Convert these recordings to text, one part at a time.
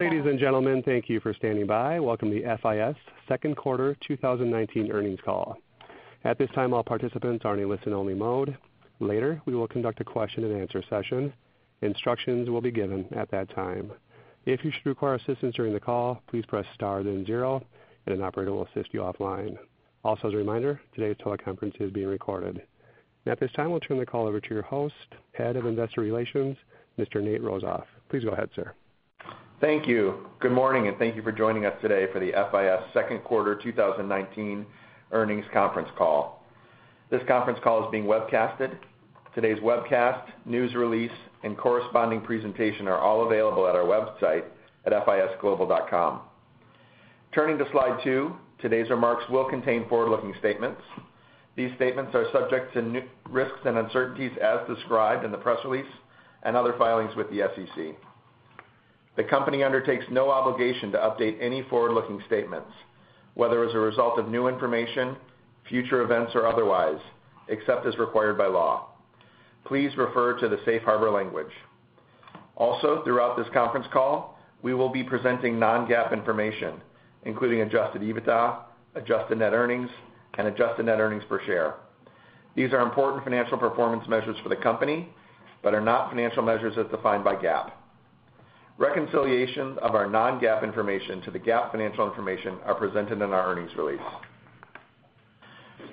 Ladies and gentlemen, thank you for standing by. Welcome to FIS second quarter 2019 earnings call. At this time, all participants are in listen-only mode. Later, we will conduct a question and answer session. Instructions will be given at that time. If you should require assistance during the call, please press star then zero, and an operator will assist you offline. Also, as a reminder, today's teleconference is being recorded. At this time, I'll turn the call over to your host, Head of Investor Relations, Mr. Nathan Rozof. Please go ahead, sir. Thank you. Good morning, and thank you for joining us today for the FIS second quarter 2019 earnings conference call. This conference call is being webcasted. Today's webcast, news release, and corresponding presentation are all available at our website at fisglobal.com. Turning to slide two, today's remarks will contain forward-looking statements. These statements are subject to risks and uncertainties as described in the press release and other filings with the SEC. The company undertakes no obligation to update any forward-looking statements, whether as a result of new information, future events, or otherwise, except as required by law. Please refer to the safe harbor language. Also, throughout this conference call, we will be presenting non-GAAP information, including adjusted EBITDA, adjusted net earnings, and adjusted net earnings per share. These are important financial performance measures for the company but are not financial measures as defined by GAAP. Reconciliations of our non-GAAP information to the GAAP financial information are presented in our earnings release.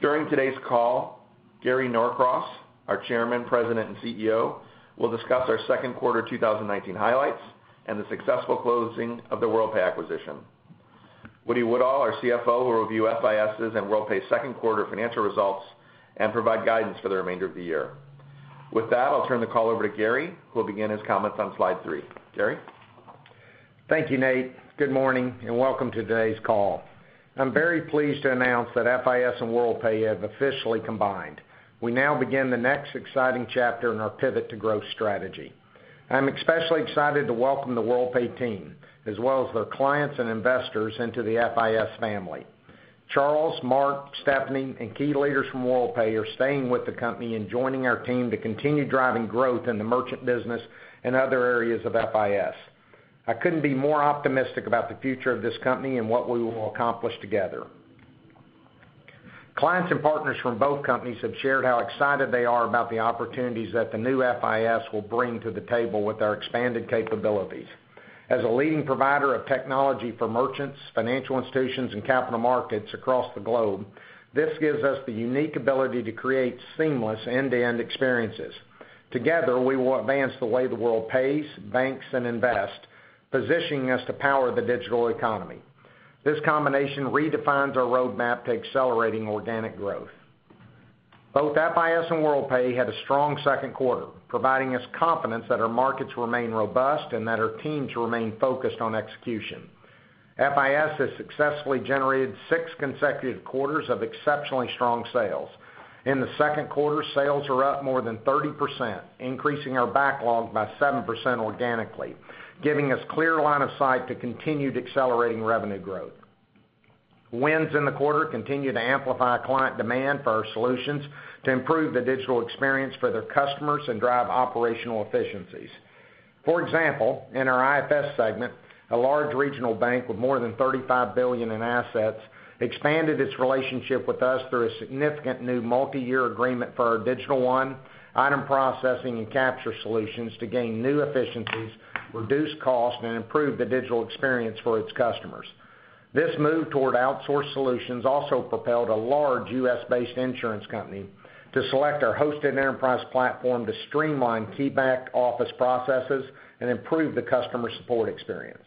During today's call, Gary Norcross, our Chairman, President, and CEO, will discuss our second quarter 2019 highlights and the successful closing of the Worldpay acquisition. James Woodall, our CFO, will review FIS' and Worldpay's second quarter financial results and provide guidance for the remainder of the year. With that, I'll turn the call over to Gary, who will begin his comments on slide three. Gary? Thank you, Nate. Good morning, and welcome to today's call. I'm very pleased to announce that FIS and Worldpay have officially combined. We now begin the next exciting chapter in our pivot to growth strategy. I'm especially excited to welcome the Worldpay team, as well as their clients and investors into the FIS family. Charles, Mark, Stephanie, and key leaders from Worldpay are staying with the company and joining our team to continue driving growth in the merchant business and other areas of FIS. I couldn't be more optimistic about the future of this company and what we will accomplish together. Clients and partners from both companies have shared how excited they are about the opportunities that the new FIS will bring to the table with our expanded capabilities. As a leading provider of technology for merchants, financial institutions, and capital markets across the globe, this gives us the unique ability to create seamless end-to-end experiences. Together, we will advance the way the world pays, banks, and invest, positioning us to power the digital economy. This combination redefines our roadmap to accelerating organic growth. Both FIS and Worldpay had a strong second quarter, providing us confidence that our markets remain robust and that our teams remain focused on execution. FIS has successfully generated six consecutive quarters of exceptionally strong sales. In the second quarter, sales are up more than 30%, increasing our backlog by 7% organically, giving us clear line of sight to continued accelerating revenue growth. Wins in the quarter continue to amplify client demand for our solutions to improve the digital experience for their customers and drive operational efficiencies. For example, in our IFS segment, a large regional bank with more than $35 billion in assets expanded its relationship with us through a significant new multi-year agreement for our Digital One item processing and capture solutions to gain new efficiencies, reduce cost, and improve the digital experience for its customers. This move toward outsourced solutions also propelled a large U.S.-based insurance company to select our hosted enterprise platform to streamline key back office processes and improve the customer support experience.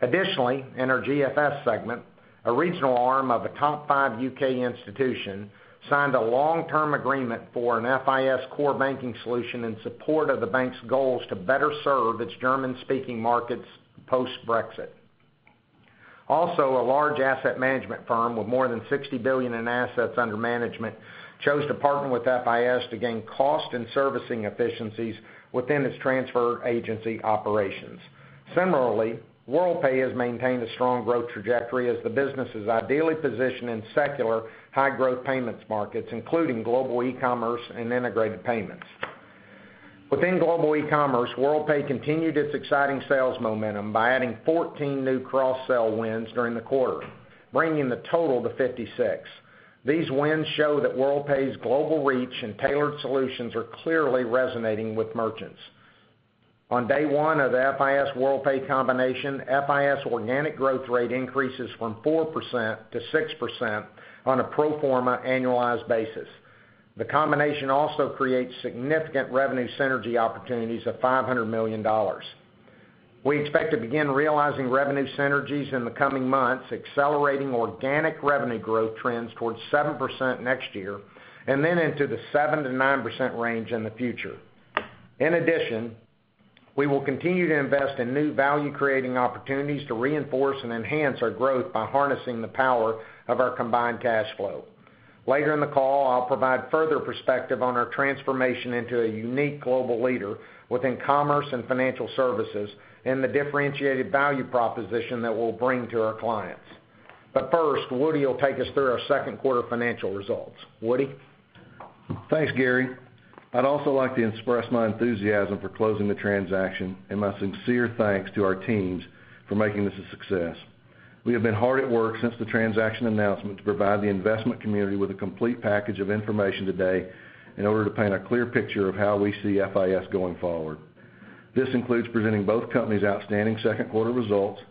Additionally, in our GFS segment, a regional arm of a top five U.K. institution signed a long-term agreement for an FIS core banking solution in support of the bank's goals to better serve its German-speaking markets post-Brexit. A large asset management firm with more than $60 billion in assets under management chose to partner with FIS to gain cost and servicing efficiencies within its transfer agency operations. Similarly, Worldpay has maintained a strong growth trajectory as the business is ideally positioned in secular high growth payments markets, including global e-commerce and integrated payments. Within global e-commerce, Worldpay continued its exciting sales momentum by adding 14 new cross-sell wins during the quarter, bringing the total to 56. These wins show that Worldpay's global reach and tailored solutions are clearly resonating with merchants. On day one of the FIS/Worldpay combination, FIS organic growth rate increases from 4% to 6% on a pro forma annualized basis. The combination also creates significant revenue synergy opportunities of $500 million. We expect to begin realizing revenue synergies in the coming months, accelerating organic revenue growth trends towards 7% next year, and then into the 7%-9% range in the future. In addition, we will continue to invest in new value-creating opportunities to reinforce and enhance our growth by harnessing the power of our combined cash flow. Later in the call, I'll provide further perspective on our transformation into a unique global leader within commerce and financial services and the differentiated value proposition that we'll bring to our clients. First, Woody will take us through our second quarter financial results. Woody? Thanks, Gary. I'd also like to express my enthusiasm for closing the transaction and my sincere thanks to our teams for making this a success. We have been hard at work since the transaction announcement to provide the investment community with a complete package of information today in order to paint a clear picture of how we see FIS going forward. This includes presenting both companies' outstanding second quarter results,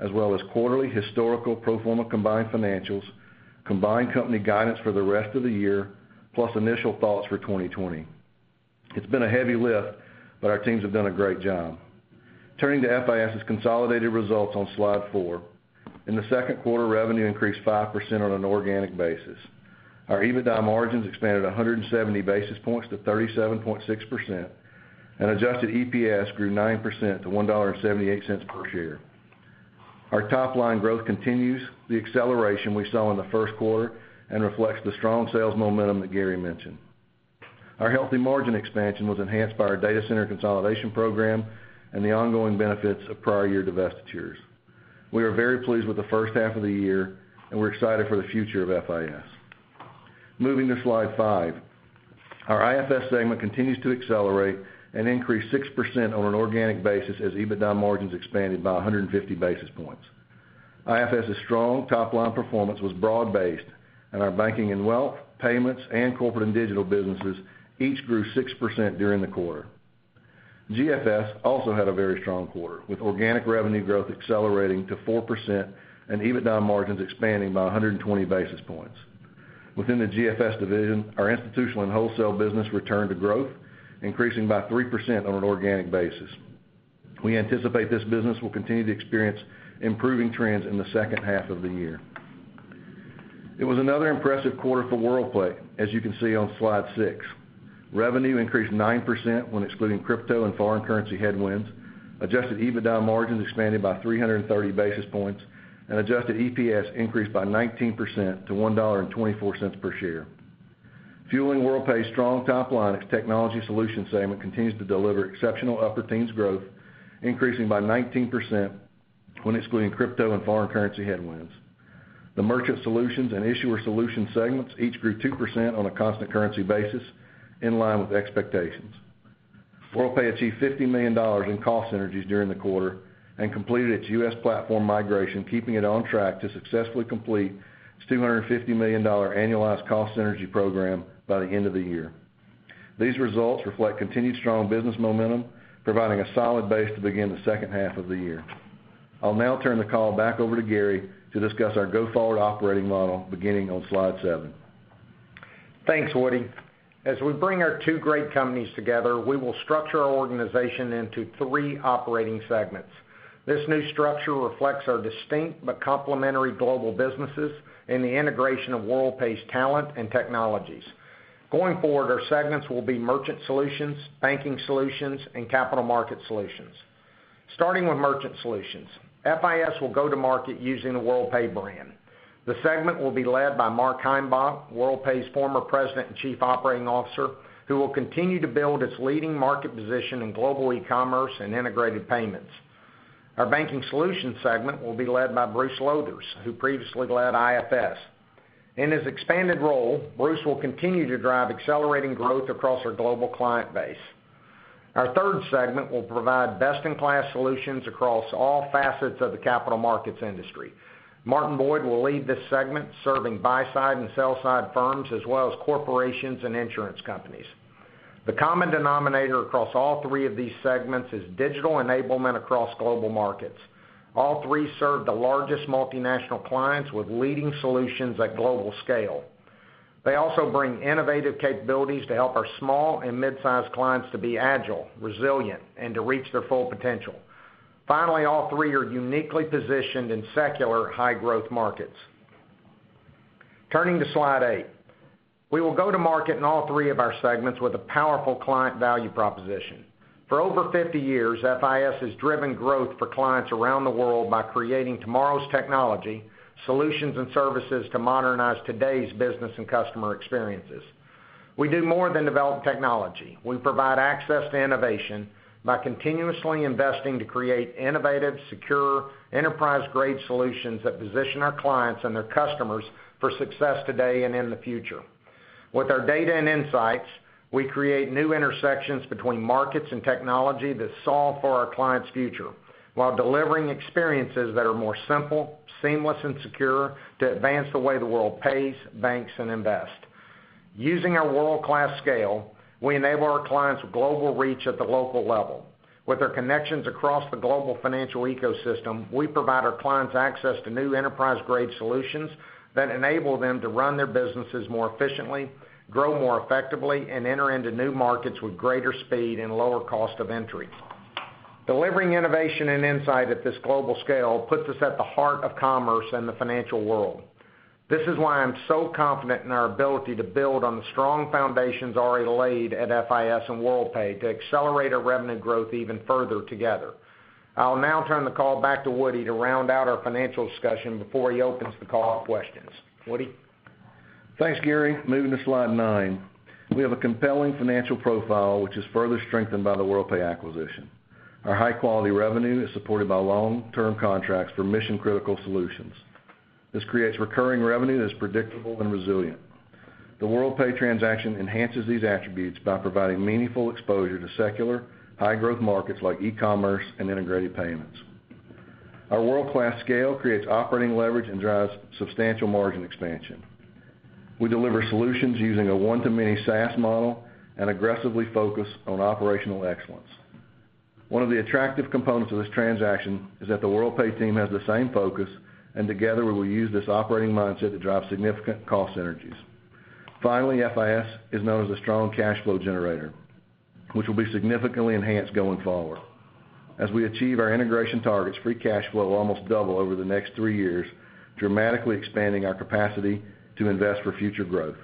as well as quarterly historical pro forma combined financials, combined company guidance for the rest of the year, plus initial thoughts for 2020. It's been a heavy lift, but our teams have done a great job. Turning to FIS's consolidated results on slide four. In the second quarter, revenue increased 5% on an organic basis. Our EBITDA margins expanded 170 basis points to 37.6%, and adjusted EPS grew 9% to $1.78 per share. Our top-line growth continues the acceleration we saw in the first quarter and reflects the strong sales momentum that Gary mentioned. Our healthy margin expansion was enhanced by our data center consolidation program and the ongoing benefits of prior year divestitures. We are very pleased with the first half of the year, and we're excited for the future of FIS. Moving to slide five. Our IFS segment continues to accelerate and increase 6% on an organic basis as EBITDA margins expanded by 150 basis points. IFS's strong top-line performance was broad-based, and our banking and wealth, payments, and corporate and digital businesses each grew 6% during the quarter. GFS also had a very strong quarter, with organic revenue growth accelerating to 4% and EBITDA margins expanding by 120 basis points. Within the GFS division, our institutional and wholesale business returned to growth, increasing by 3% on an organic basis. We anticipate this business will continue to experience improving trends in the second half of the year. It was another impressive quarter for Worldpay, as you can see on slide six. Revenue increased 9% when excluding crypto and foreign currency headwinds, adjusted EBITDA margins expanded by 330 basis points, and adjusted EPS increased by 19% to $1.24 per share. Fueling Worldpay's strong top line, its Technology Solutions segment continues to deliver exceptional upper teens growth, increasing by 19% when excluding crypto and foreign currency headwinds. The Merchant Solutions and Issuer Solutions segments each grew 2% on a constant currency basis, in line with expectations. Worldpay achieved $50 million in cost synergies during the quarter and completed its U.S. platform migration, keeping it on track to successfully complete its $250 million annualized cost synergy program by the end of the year. These results reflect continued strong business momentum, providing a solid base to begin the second half of the year. I'll now turn the call back over to Gary to discuss our go-forward operating model, beginning on slide seven. Thanks, Woody. As we bring our two great companies together, we will structure our organization into three operating segments. This new structure reflects our distinct but complementary global businesses and the integration of Worldpay's talent and technologies. Going forward, our segments will be Merchant Solutions, Banking Solutions, and Capital Market Solutions. Starting with Merchant Solutions, FIS will go to market using the Worldpay brand. The segment will be led by Mark Heimbouch, Worldpay's former President and Chief Operating Officer, who will continue to build its leading market position in global e-commerce and integrated payments. Our Banking Solutions segment will be led by Bruce Lowthers, who previously led IFS. In his expanded role, Bruce will continue to drive accelerating growth across our global client base. Our third segment will provide best-in-class solutions across all facets of the capital markets industry. Martin Boyd will lead this segment, serving buy-side and sell-side firms as well as corporations and insurance companies. The common denominator across all three of these segments is digital enablement across global markets. All three serve the largest multinational clients with leading solutions at global scale. They also bring innovative capabilities to help our small and mid-sized clients to be agile, resilient, and to reach their full potential. Finally, all three are uniquely positioned in secular high-growth markets. Turning to slide eight. We will go to market in all three of our segments with a powerful client value proposition. For over 50 years, FIS has driven growth for clients around the world by creating tomorrow's technology, solutions, and services to modernize today's business and customer experiences. We do more than develop technology. We provide access to innovation by continuously investing to create innovative, secure, enterprise-grade solutions that position our clients and their customers for success today and in the future. With our data and insights, we create new intersections between markets and technology that solve for our clients' future while delivering experiences that are more simple, seamless, and secure to advance the way the world pays, banks, and invests. Using our world-class scale, we enable our clients with global reach at the local level. With our connections across the global financial ecosystem, we provide our clients access to new enterprise-grade solutions that enable them to run their businesses more efficiently, grow more effectively, and enter into new markets with greater speed and lower cost of entry. Delivering innovation and insight at this global scale puts us at the heart of commerce and the financial world. This is why I'm so confident in our ability to build on the strong foundations already laid at FIS and Worldpay to accelerate our revenue growth even further together. I will now turn the call back to Woody to round out our financial discussion before he opens the call up for questions. Woody? Thanks, Gary. Moving to slide nine. We have a compelling financial profile, which is further strengthened by the Worldpay acquisition. Our high-quality revenue is supported by long-term contracts for mission-critical solutions. This creates recurring revenue that is predictable and resilient. The Worldpay transaction enhances these attributes by providing meaningful exposure to secular, high-growth markets like e-commerce and integrated payments. Our world-class scale creates operating leverage and drives substantial margin expansion. We deliver solutions using a one-to-many SaaS model and aggressively focus on operational excellence. One of the attractive components of this transaction is that the Worldpay team has the same focus, and together we will use this operating mindset to drive significant cost synergies. Finally, FIS is known as a strong cash flow generator, which will be significantly enhanced going forward. As we achieve our integration targets, free cash flow will almost double over the next three years, dramatically expanding our capacity to invest for future growth.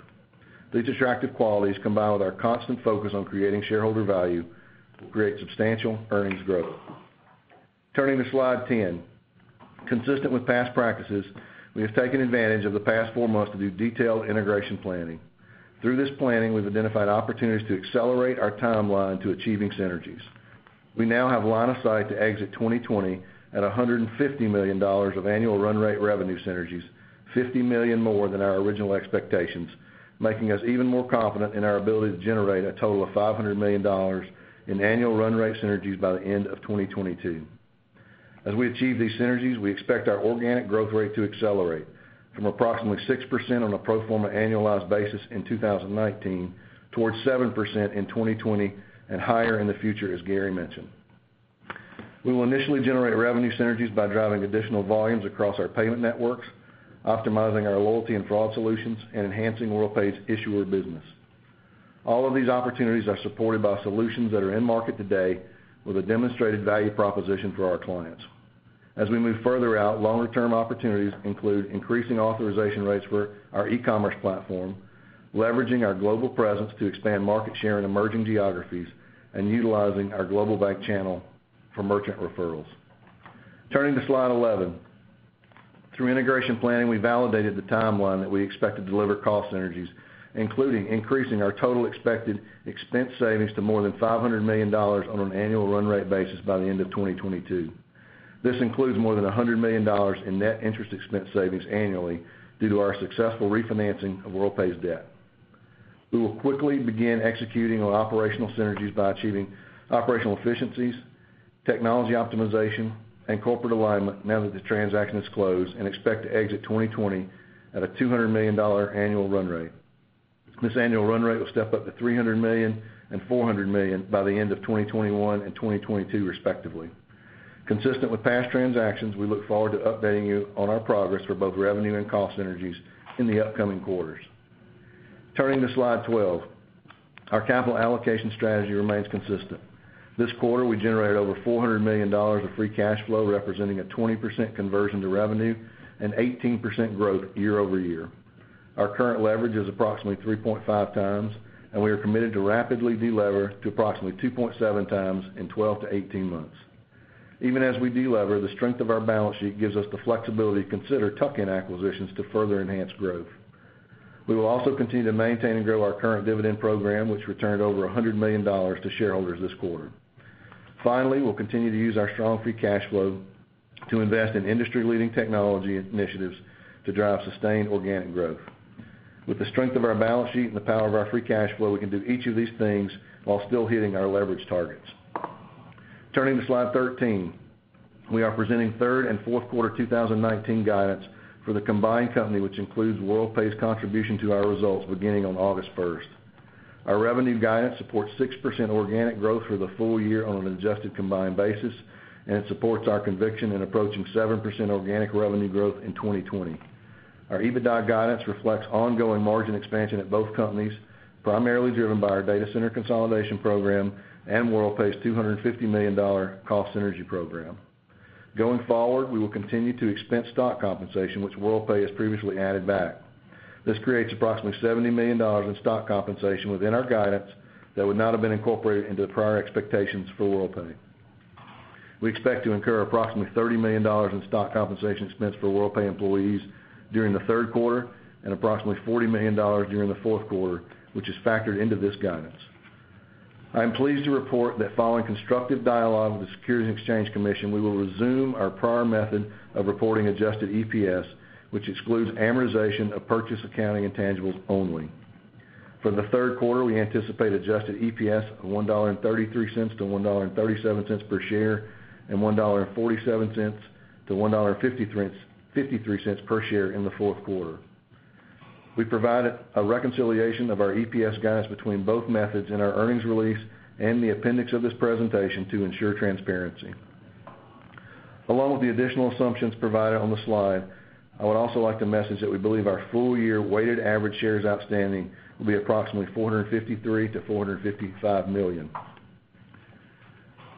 These attractive qualities, combined with our constant focus on creating shareholder value, will create substantial earnings growth. Turning to slide 10. Consistent with past practices, we have taken advantage of the past four months to do detailed integration planning. Through this planning, we've identified opportunities to accelerate our timeline to achieving synergies. We now have line of sight to exit 2020 at $150 million of annual run rate revenue synergies, $50 million more than our original expectations, making us even more confident in our ability to generate a total of $500 million in annual run rate synergies by the end of 2022. As we achieve these synergies, we expect our organic growth rate to accelerate from approximately 6% on a pro forma annualized basis in 2019 towards 7% in 2020 and higher in the future, as Gary mentioned. We will initially generate revenue synergies by driving additional volumes across our payment networks, optimizing our loyalty and fraud solutions, and enhancing Worldpay's issuer business. All of these opportunities are supported by solutions that are in market today with a demonstrated value proposition for our clients. As we move further out, longer-term opportunities include increasing authorization rates for our e-commerce platform, leveraging our global presence to expand market share in emerging geographies, and utilizing our global bank channel for merchant referrals. Turning to slide 11. Through integration planning, we validated the timeline that we expect to deliver cost synergies, including increasing our total expected expense savings to more than $500 million on an annual run rate basis by the end of 2022. This includes more than $100 million in net interest expense savings annually due to our successful refinancing of Worldpay's debt. We will quickly begin executing on operational synergies by achieving operational efficiencies, technology optimization, and corporate alignment now that the transaction is closed and expect to exit 2020 at a $200 million annual run rate. This annual run rate will step up to $300 million and $400 million by the end of 2021 and 2022, respectively. Consistent with past transactions, we look forward to updating you on our progress for both revenue and cost synergies in the upcoming quarters. Turning to slide 12. Our capital allocation strategy remains consistent. This quarter, we generated over $400 million of free cash flow, representing a 20% conversion to revenue and 18% growth year-over-year. Our current leverage is approximately 3.5 times, and we are committed to rapidly de-lever to approximately 2.7 times in 12-18 months. Even as we de-lever, the strength of our balance sheet gives us the flexibility to consider tuck-in acquisitions to further enhance growth. We will also continue to maintain and grow our current dividend program, which returned over $100 million to shareholders this quarter. Finally, we'll continue to use our strong free cash flow to invest in industry-leading technology initiatives to drive sustained organic growth. With the strength of our balance sheet and the power of our free cash flow, we can do each of these things while still hitting our leverage targets. Turning to slide 13. We are presenting third and fourth quarter 2019 guidance for the combined company, which includes Worldpay's contribution to our results beginning on August 1st. Our revenue guidance supports 6% organic growth for the full year on an adjusted combined basis, and it supports our conviction in approaching 7% organic revenue growth in 2020. Our EBITDA guidance reflects ongoing margin expansion at both companies, primarily driven by our data center consolidation program and Worldpay's $250 million cost synergy program. Going forward, we will continue to expense stock compensation, which Worldpay has previously added back. This creates approximately $70 million in stock compensation within our guidance that would not have been incorporated into the prior expectations for Worldpay. We expect to incur approximately $30 million in stock compensation expense for Worldpay employees during the third quarter and approximately $40 million during the fourth quarter, which is factored into this guidance. I am pleased to report that following constructive dialogue with the Securities and Exchange Commission, we will resume our prior method of reporting adjusted EPS, which excludes amortization of purchase accounting intangibles only. For the third quarter, we anticipate adjusted EPS of $1.33-$1.37 per share, and $1.47-$1.53 per share in the fourth quarter. We provided a reconciliation of our EPS guidance between both methods in our earnings release and the appendix of this presentation to ensure transparency. Along with the additional assumptions provided on the slide, I would also like to message that we believe our full-year weighted average shares outstanding will be approximately 453 million-455 million.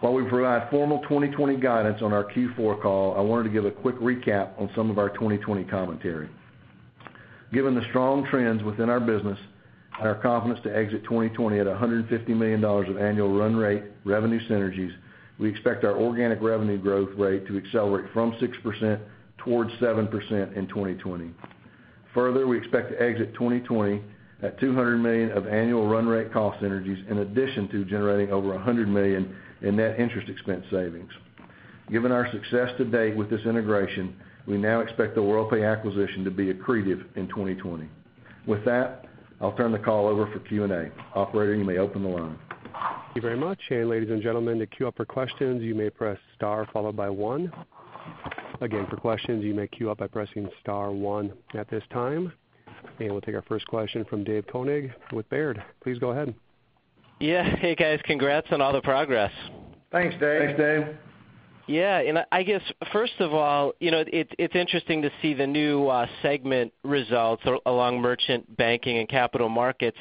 While we provide formal 2020 guidance on our Q4 call, I wanted to give a quick recap on some of our 2020 commentary. Given the strong trends within our business and our confidence to exit 2020 at $150 million of annual run rate revenue synergies, we expect our organic revenue growth rate to accelerate from 6% towards 7% in 2020. We expect to exit 2020 at $200 million of annual run rate cost synergies, in addition to generating over $100 million in net interest expense savings. Given our success to date with this integration, we now expect the Worldpay acquisition to be accretive in 2020. With that, I'll turn the call over for Q&A. Operator, you may open the line. Thank you very much. Ladies and gentlemen, to queue up for questions, you may press star followed by one. Again, for questions, you may queue up by pressing star one at this time. We'll take our first question from David Koning with Baird. Please go ahead. Yeah. Hey, guys. Congrats on all the progress. Thanks, Dave. Thanks, Dave. I guess, first of all, it's interesting to see the new segment results along Merchant Banking and Capital Markets.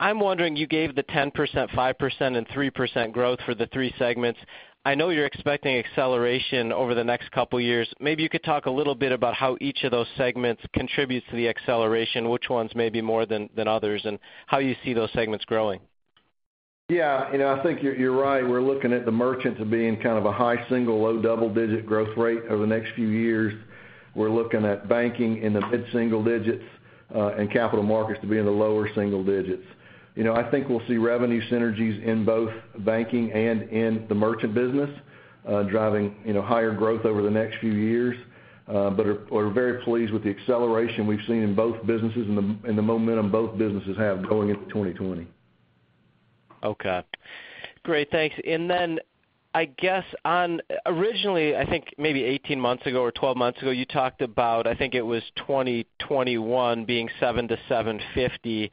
I'm wondering, you gave the 10%, 5%, and 3% growth for the three segments. I know you're expecting acceleration over the next couple of years. Maybe you could talk a little bit about how each of those segments contributes to the acceleration, which ones may be more than others, and how you see those segments growing. Yeah. I think you're right. We're looking at the Merchant to be in kind of a high single, low double-digit growth rate over the next few years. We're looking at Banking in the mid-single digits, and Capital Markets to be in the lower single digits. I think we'll see revenue synergies in both Banking and in the Merchant business, driving higher growth over the next few years. We're very pleased with the acceleration we've seen in both businesses and the momentum both businesses have going into 2020. Okay. Great, thanks. Then, I guess on originally, I think maybe 18 months ago or 12 months ago, you talked about, I think it was 2021 being $7-$750.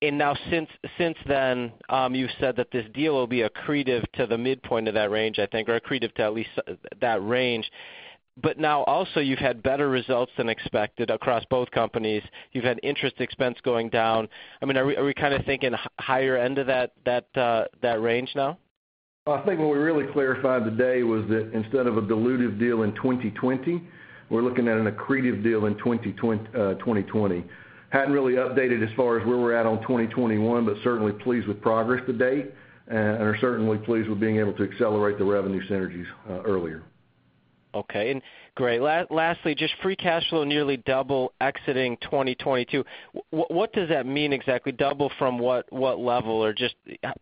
Now since then, you've said that this deal will be accretive to the midpoint of that range, I think, or accretive to at least that range. Now also you've had better results than expected across both companies. You've had interest expense going down. Are we kind of thinking higher end of that range now? I think what we really clarified today was that instead of a dilutive deal in 2020, we're looking at an accretive deal in 2020. Hadn't really updated as far as where we're at on 2021, but certainly pleased with progress to date, and are certainly pleased with being able to accelerate the revenue synergies earlier. Okay. Great. Lastly, just free cash flow nearly double exiting 2022. What does that mean exactly? Double from what level? Just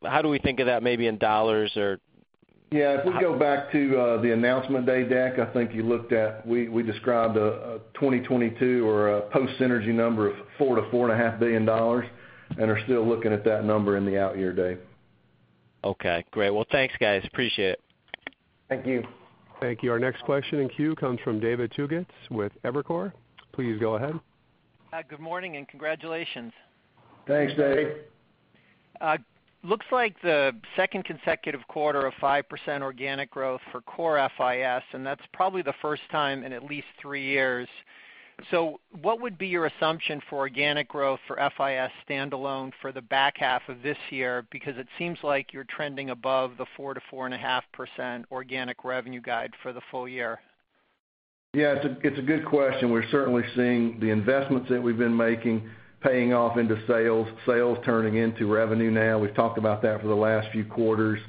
how do we think of that maybe in dollars? Yeah. If we go back to the announcement day deck, I think you looked at, we described a 2022 or a post-synergy number of $4 billion-$4.5 billion, and are still looking at that number in the out year, Dave. Okay. Great. Well, thanks, guys. Appreciate it. Thank you. Thank you. Our next question in queue comes from David Togut with Evercore. Please go ahead. Hi, good morning, and congratulations. Thanks, Dave. Looks like the second consecutive quarter of 5% organic growth for core FIS, and that's probably the first time in at least three years. What would be your assumption for organic growth for FIS standalone for the back half of this year? It seems like you're trending above the 4%-4.5% organic revenue guide for the full year. Yeah, it's a good question. We're certainly seeing the investments that we've been making paying off into sales turning into revenue now. We've talked about that for the last few quarters.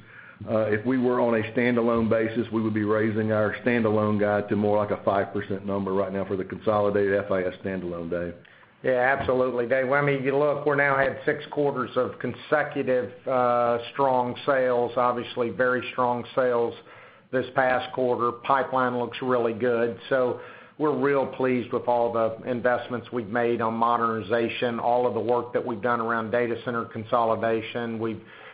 If we were on a standalone basis, we would be raising our standalone guide to more like a 5% number right now for the consolidated FIS standalone, Dave. Yeah, absolutely, Dave. When you look, we're now at 6 quarters of consecutive strong sales. Obviously, very strong sales this past quarter. Pipeline looks really good. We're real pleased with all the investments we've made on modernization, all of the work that we've done around data center consolidation.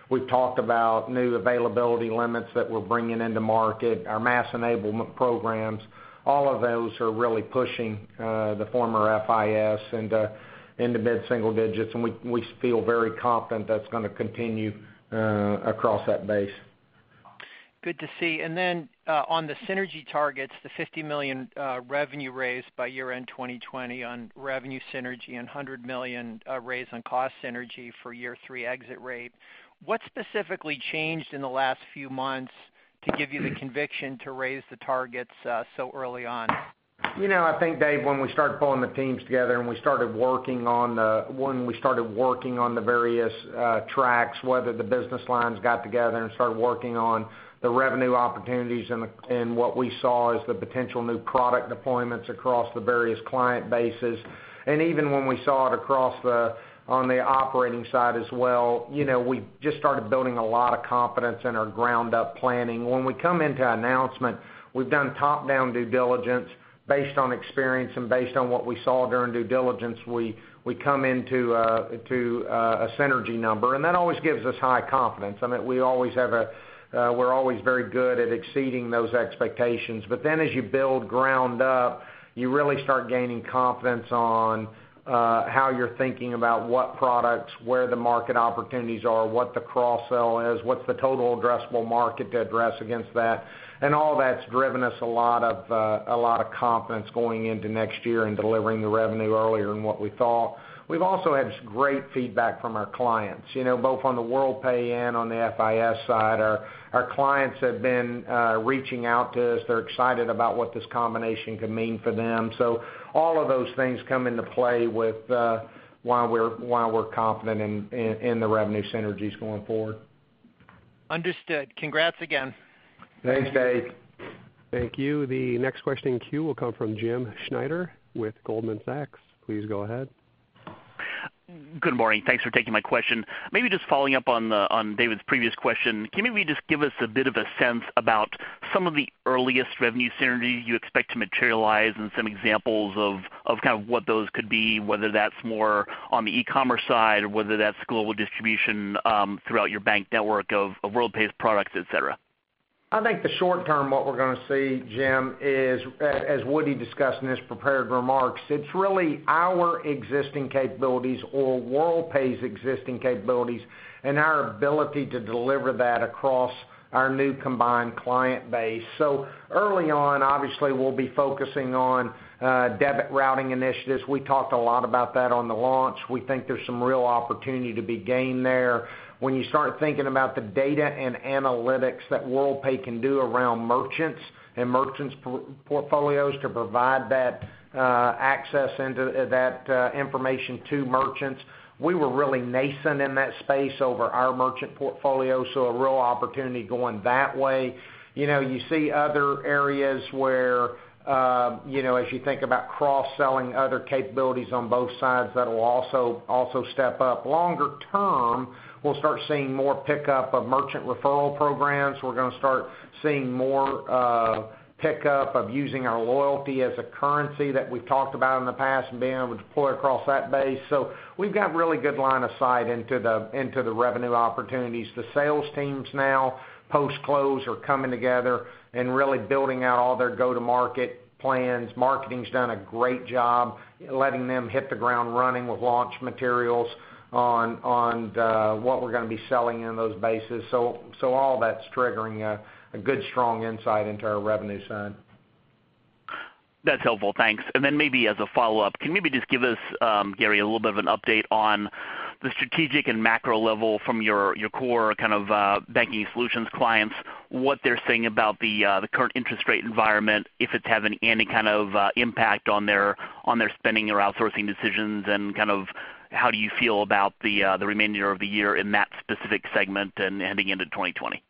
We've talked about new availability limits that we're bringing into market, our mass enablement programs. All of those are really pushing the former FIS into mid-single digits, and we feel very confident that's going to continue across that base. Good to see. On the synergy targets, the $50 million revenue raise by year-end 2020 on revenue synergy and $100 million raise on cost synergy for year three exit rate. What specifically changed in the last few months to give you the conviction to raise the targets so early on? I think, Dave, when we started pulling the teams together, and when we started working on the various tracks, whether the business lines got together and started working on the revenue opportunities and what we saw as the potential new product deployments across the various client bases. Even when we saw it on the operating side as well. We just started building a lot of confidence in our ground-up planning. When we come into announcement, we've done top-down due diligence based on experience and based on what we saw during due diligence. We come into a synergy number, and that always gives us high confidence. We're always very good at exceeding those expectations. As you build ground up, you really start gaining confidence on how you're thinking about what products, where the market opportunities are, what the cross-sell is, what's the total addressable market to address against that. All that's driven us a lot of confidence going into next year and delivering the revenue earlier than what we thought. We've also had great feedback from our clients, both on the Worldpay and on the FIS side. Our clients have been reaching out to us. They're excited about what this combination could mean for them. All of those things come into play with why we're confident in the revenue synergies going forward. Understood. Congrats again. Thanks, Dave. Thank you. The next question in queue will come from James Schneider with Goldman Sachs. Please go ahead. Good morning. Thanks for taking my question. Maybe just following up on David's previous question, can you maybe just give us a bit of a sense about some of the earliest revenue synergy you expect to materialize and some examples of kind of what those could be, whether that's more on the e-commerce side, or whether that's global distribution throughout your bank network of Worldpay's products, et cetera? I think the short-term, what we're going to see, Jim, is, as Woody discussed in his prepared remarks, it's really our existing capabilities or Worldpay's existing capabilities and our ability to deliver that across our new combined client base. Early on, obviously, we'll be focusing on debit routing initiatives. We talked a lot about that on the launch. We think there's some real opportunity to be gained there. When you start thinking about the data and analytics that Worldpay can do around merchants and merchants' portfolios to provide that access into that information to merchants, we were really nascent in that space over our merchant portfolio. A real opportunity going that way. You see other areas where, as you think about cross-selling other capabilities on both sides, that'll also step up. Longer term, we'll start seeing more pickup of merchant referral programs. We're going to start seeing more pickup of using our loyalty as a currency that we've talked about in the past and being able to deploy across that base. We've got really good line of sight into the revenue opportunities. The sales teams now post-close are coming together and really building out all their go-to-market plans. Marketing's done a great job letting them hit the ground running with launch materials on what we're going to be selling in those bases. All that's triggering a good, strong insight into our revenue side. That's helpful. Thanks. Maybe as a follow-up, can you maybe just give us, Gary, a little bit of an update on the strategic and macro level from your core Banking Solutions clients, what they're saying about the current interest rate environment, if it's having any kind of impact on their spending or outsourcing decisions, and how do you feel about the remainder of the year in that specific segment and heading into 2020?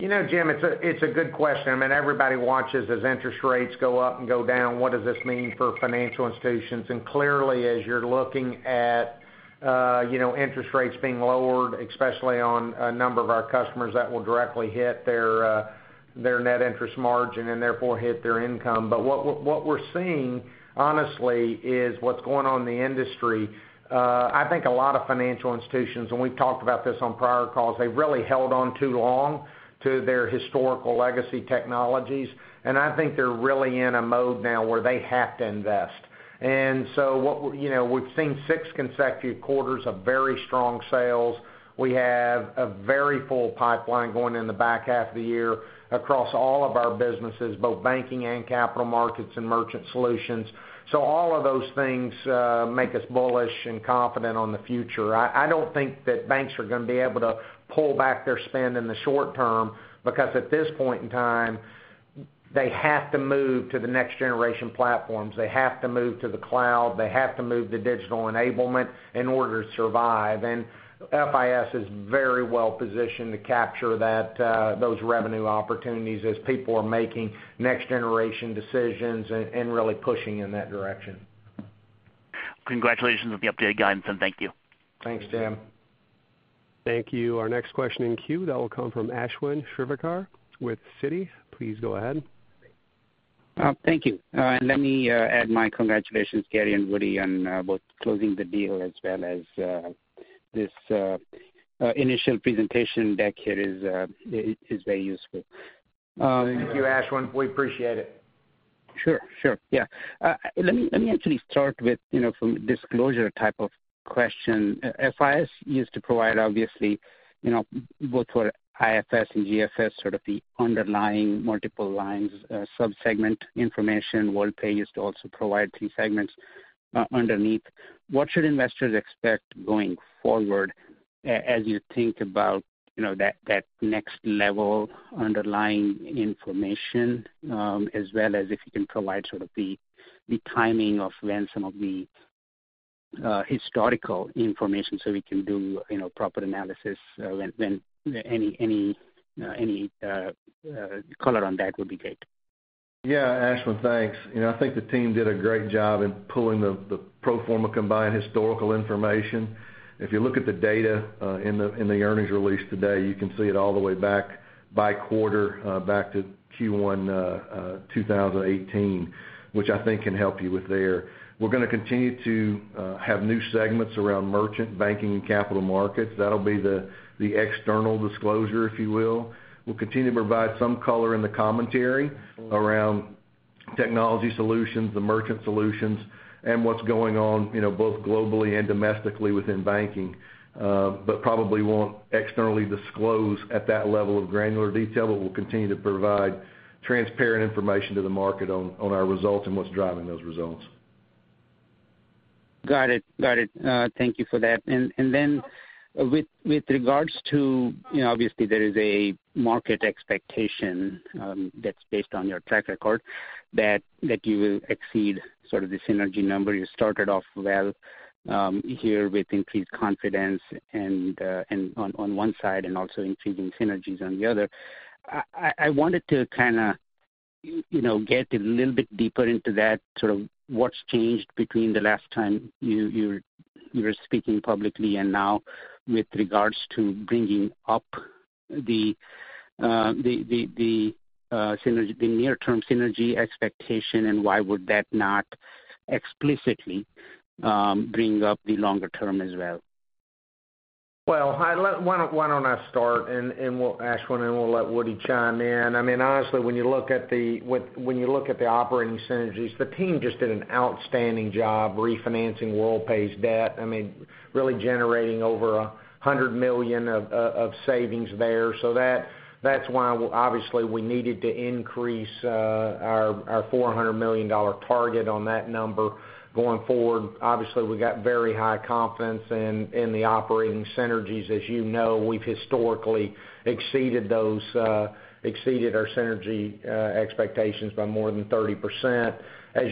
Jim, it's a good question. Everybody watches as interest rates go up and go down. What does this mean for financial institutions? Clearly, as you're looking at interest rates being lowered, especially on a number of our customers, that will directly hit their net interest margin and therefore hit their income. What we're seeing, honestly, is what's going on in the industry. I think a lot of financial institutions, and we've talked about this on prior calls, they've really held on too long to their historical legacy technologies, and I think they're really in a mode now where they have to invest. We've seen six consecutive quarters of very strong sales. We have a very full pipeline going in the back half of the year across all of our businesses, both Banking and Capital Markets and Merchant Solutions. All of those things make us bullish and confident on the future. I don't think that banks are going to be able to pull back their spend in the short term because, at this point in time, they have to move to the next-generation platforms. They have to move to the cloud. They have to move to digital enablement in order to survive. FIS is very well-positioned to capture those revenue opportunities as people are making next-generation decisions and really pushing in that direction. Congratulations on the updated guidance, and thank you. Thanks, Jim. Thank you. Our next question in queue, that will come from Ashwin Shirvaikar with Citi. Please go ahead. Thank you. Let me add my congratulations, Gary and Woody, on both closing the deal as well as this initial presentation deck here is very useful. Thank you, Ashwin. We appreciate it. Sure. Yeah. Let me actually start with a disclosure type of question. FIS used to provide, obviously, both for IFS and GFS, sort of the underlying multiple lines, sub-segment information. Worldpay used to also provide three segments underneath. What should investors expect going forward as you think about that next-level underlying information, as well as if you can provide sort of the timing of when some of the historical information, so we can do proper analysis when any color on that would be great. Yeah. Ashwin, thanks. I think the team did a great job in pulling the pro forma combined historical information. If you look at the data in the earnings release today, you can see it all the way back by quarter back to Q1 2018, which I think can help you with there. We're going to continue to have new segments around merchant banking and capital markets. That'll be the external disclosure, if you will. We'll continue to provide some color in the commentary around Technology Solutions, the Merchant Solutions, and what's going on both globally and domestically within banking. Probably won't externally disclose at that level of granular detail, but we'll continue to provide transparent information to the market on our results and what's driving those results. Got it. Thank you for that. With regards to, obviously, there is a market expectation that's based on your track record that you will exceed sort of the synergy number. You started off well here with increased confidence on one side and also increasing synergies on the other. I wanted to get a little bit deeper into that, sort of what's changed between the last time you were speaking publicly and now with regards to bringing up the near-term synergy expectation, and why would that not explicitly bring up the longer term as well? Why don't I start and we'll ask Ashwin, and we'll let Woody chime in. When you look at the operating synergies, the team just did an outstanding job refinancing Worldpay's debt, really generating over $100 million of savings there. That's why, obviously, we needed to increase our $400 million target on that number going forward. We got very high confidence in the operating synergies. You know, we've historically exceeded our synergy expectations by more than 30%.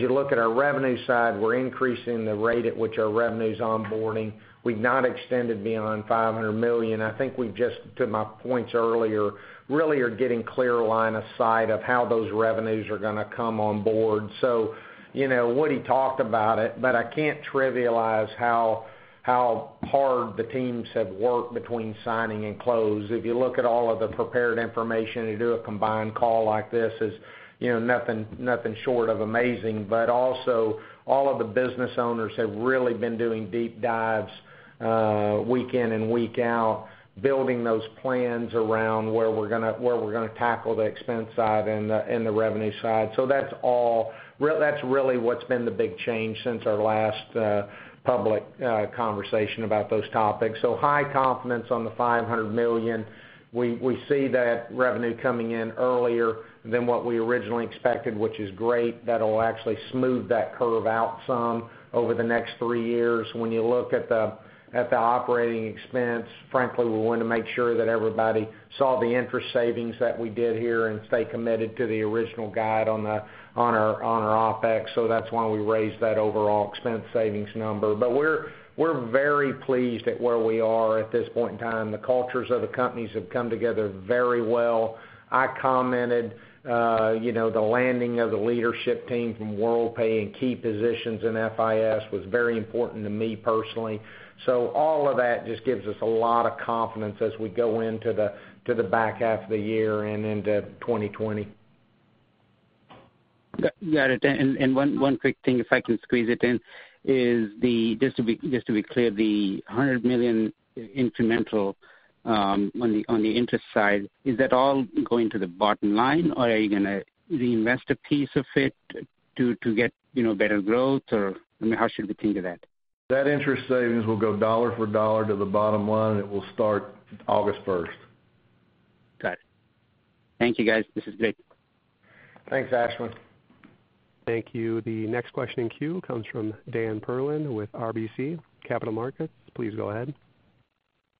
You look at our revenue side, we're increasing the rate at which our revenue's onboarding. We've not extended beyond $500 million. I think we've just, to my points earlier, really are getting clear line of sight of how those revenues are going to come on board. Woody talked about it, but I can't trivialize how hard the teams have worked between signing and close. If you look at all of the prepared information to do a combined call like this is nothing short of amazing. Also, all of the business owners have really been doing deep dives week in and week out, building those plans around where we're going to tackle the expense side and the revenue side. That's really what's been the big change since our last public conversation about those topics. High confidence on the $500 million. We see that revenue coming in earlier than what we originally expected, which is great. That'll actually smooth that curve out some over the next three years. When you look at the operating expense, frankly, we want to make sure that everybody saw the interest savings that we did here and stay committed to the original guide on our OPEX. That's why we raised that overall expense savings number. We're very pleased at where we are at this point in time. The cultures of the companies have come together very well. I commented the landing of the leadership team from Worldpay in key positions in FIS was very important to me personally. All of that just gives us a lot of confidence as we go into the back half of the year and into 2020. Got it. One quick thing, if I can squeeze it in, is just to be clear, the $100 million incremental on the interest side, is that all going to the bottom line, or are you going to reinvest a piece of it to get better growth? Or, how should we think of that? That interest savings will go dollar for dollar to the bottom line, and it will start August 1st. Got it. Thank you, guys. This is great. Thanks, Ashwin. Thank you. The next question in queue comes from Dan Perlin with RBC Capital Markets. Please go ahead.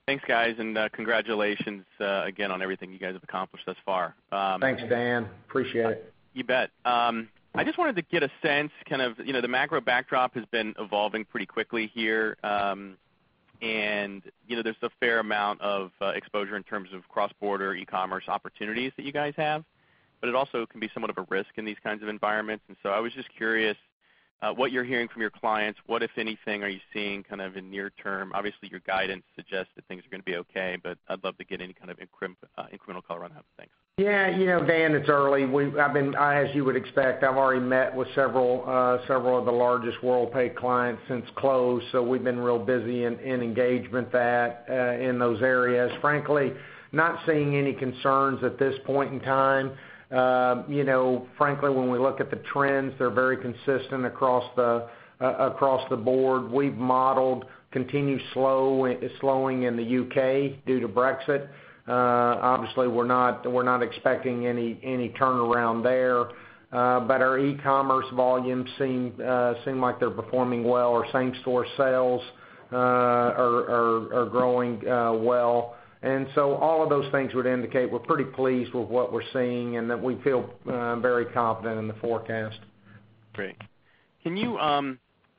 Thanks, guys. Congratulations again on everything you guys have accomplished thus far. Thanks, Dan. Appreciate it. You bet. I just wanted to get a sense, kind of the macro backdrop has been evolving pretty quickly here. There's a fair amount of exposure in terms of cross-border e-commerce opportunities that you guys have, but it also can be somewhat of a risk in these kinds of environments. I was just curious what you're hearing from your clients, what, if anything, are you seeing kind of in near term? Obviously, your guidance suggests that things are going to be okay, but I'd love to get any kind of incremental color on that. Thanks. Yeah. Dan, it's early. As you would expect, I've already met with several of the largest Worldpay clients since close, so we've been real busy in engagement in those areas. Frankly, not seeing any concerns at this point in time. Frankly, when we look at the trends, they're very consistent across the board. We've modeled continued slowing in the U.K. due to Brexit. Obviously, we're not expecting any turnaround there. Our e-commerce volumes seem like they're performing well. Our same-store sales are growing well. All of those things would indicate we're pretty pleased with what we're seeing and that we feel very confident in the forecast. Great.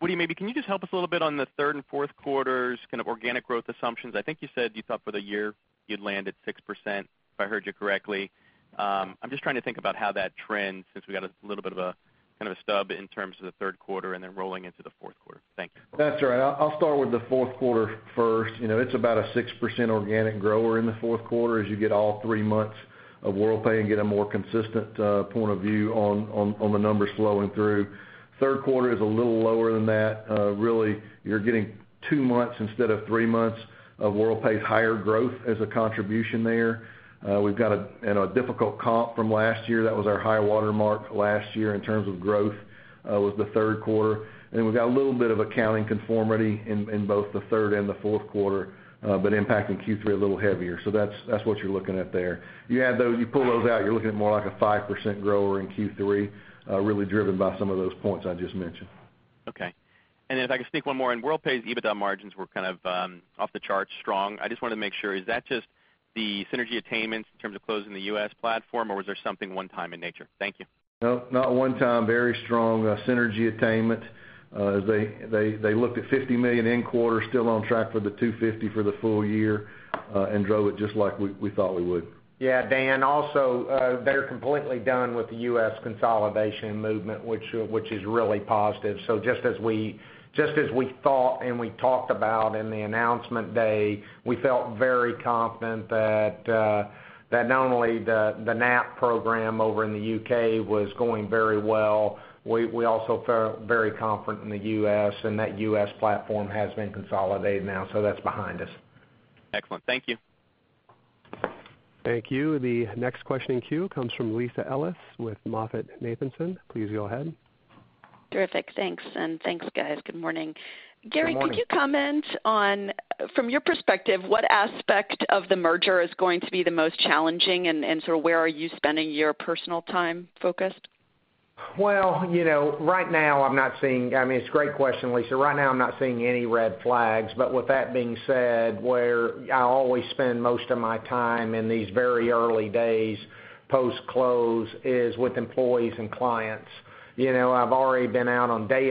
Woody, can you just help us a little bit on the third and fourth quarters, kind of organic growth assumptions? I think you said you thought for the year you'd land at 6%, if I heard you correctly. I'm just trying to think about how that trends since we got a little bit of a stub in terms of the third quarter and then rolling into the fourth quarter. Thank you. That's right. I'll start with the fourth quarter first. It's about a 6% organic grower in the fourth quarter as you get all three months of Worldpay and get a more consistent point of view on the numbers flowing through. Third quarter is a little lower than that. Really, you're getting two months instead of three months of Worldpay's higher growth as a contribution there. We've got a difficult comp from last year. That was our high water mark last year in terms of growth, was the third quarter. Then we've got a little bit of accounting conformity in both the third and the fourth quarter, but impacting Q3 a little heavier. That's what you're looking at there. You pull those out, you're looking at more like a 5% grower in Q3, really driven by some of those points I just mentioned. Okay. If I could sneak one more in, Worldpay's EBITDA margins were kind of off the charts strong. I just wanted to make sure, is that just the synergy attainments in terms of closing the U.S. platform, or was there something one-time in nature? Thank you. No, not one time. Very strong synergy attainment. They looked at $50 million in quarter, still on track for the $250 million for the full year. Drove it just like we thought we would. Dan, also, they're completely done with the U.S. consolidation movement, which is really positive. Just as we thought, and we talked about in the announcement day, we felt very confident that not only the NAP program over in the U.K. was going very well, we also felt very confident in the U.S., and that U.S. platform has been consolidated now, so that's behind us. Excellent. Thank you. Thank you. The next question in queue comes from Lisa Ellis with MoffettNathanson. Please go ahead. Terrific. Thanks. Thanks, guys. Good morning. Good morning. Gary, could you comment on, from your perspective, what aspect of the merger is going to be the most challenging, and sort of where are you spending your personal time focused? It's a great question, Lisa. Right now, I'm not seeing any red flags. With that being said, where I always spend most of my time in these very early days post-close is with employees and clients. I've already been out on day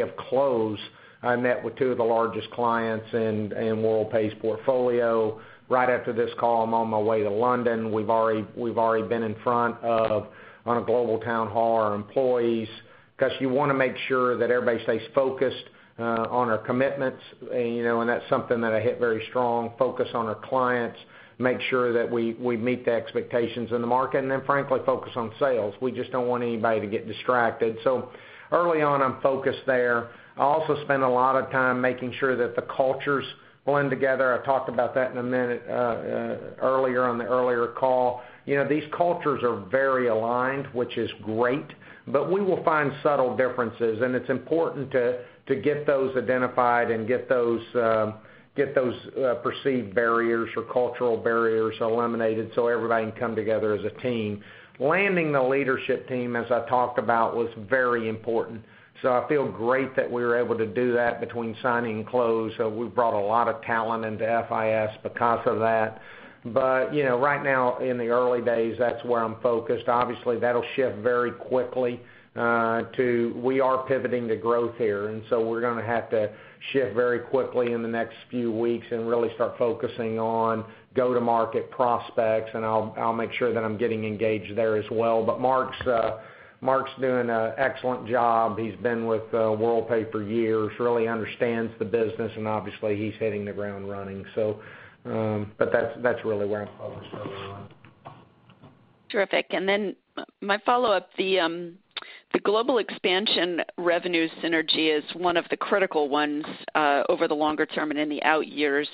of close, I met with two of the largest clients in Worldpay's portfolio. Right after this call, I'm on my way to London. We've already been in front of, on a global town hall, our employees, because you want to make sure that everybody stays focused on our commitments, and that's something that I hit very strong, focus on our clients, make sure that we meet the expectations in the market, and then frankly, focus on sales. We just don't want anybody to get distracted. Early on, I'm focused there. I also spend a lot of time making sure that the cultures blend together. I talked about that in a minute, earlier on the earlier call. These cultures are very aligned, which is great. We will find subtle differences, and it's important to get those identified and get those perceived barriers or cultural barriers eliminated so everybody can come together as a team. Landing the leadership team, as I talked about, was very important. I feel great that we were able to do that between signing and close. We've brought a lot of talent into FIS because of that. Right now, in the early days, that's where I'm focused. Obviously, that'll shift very quickly. We are pivoting to growth here, we're going to have to shift very quickly in the next few weeks and really start focusing on go-to-market prospects, and I'll make sure that I'm getting engaged there as well. Mark's doing an excellent job. He's been with Worldpay for years, really understands the business, he's hitting the ground running. That's really where I'm focused early on. Terrific. My follow-up, the global expansion revenue synergy is one of the critical ones over the longer term and in the out years.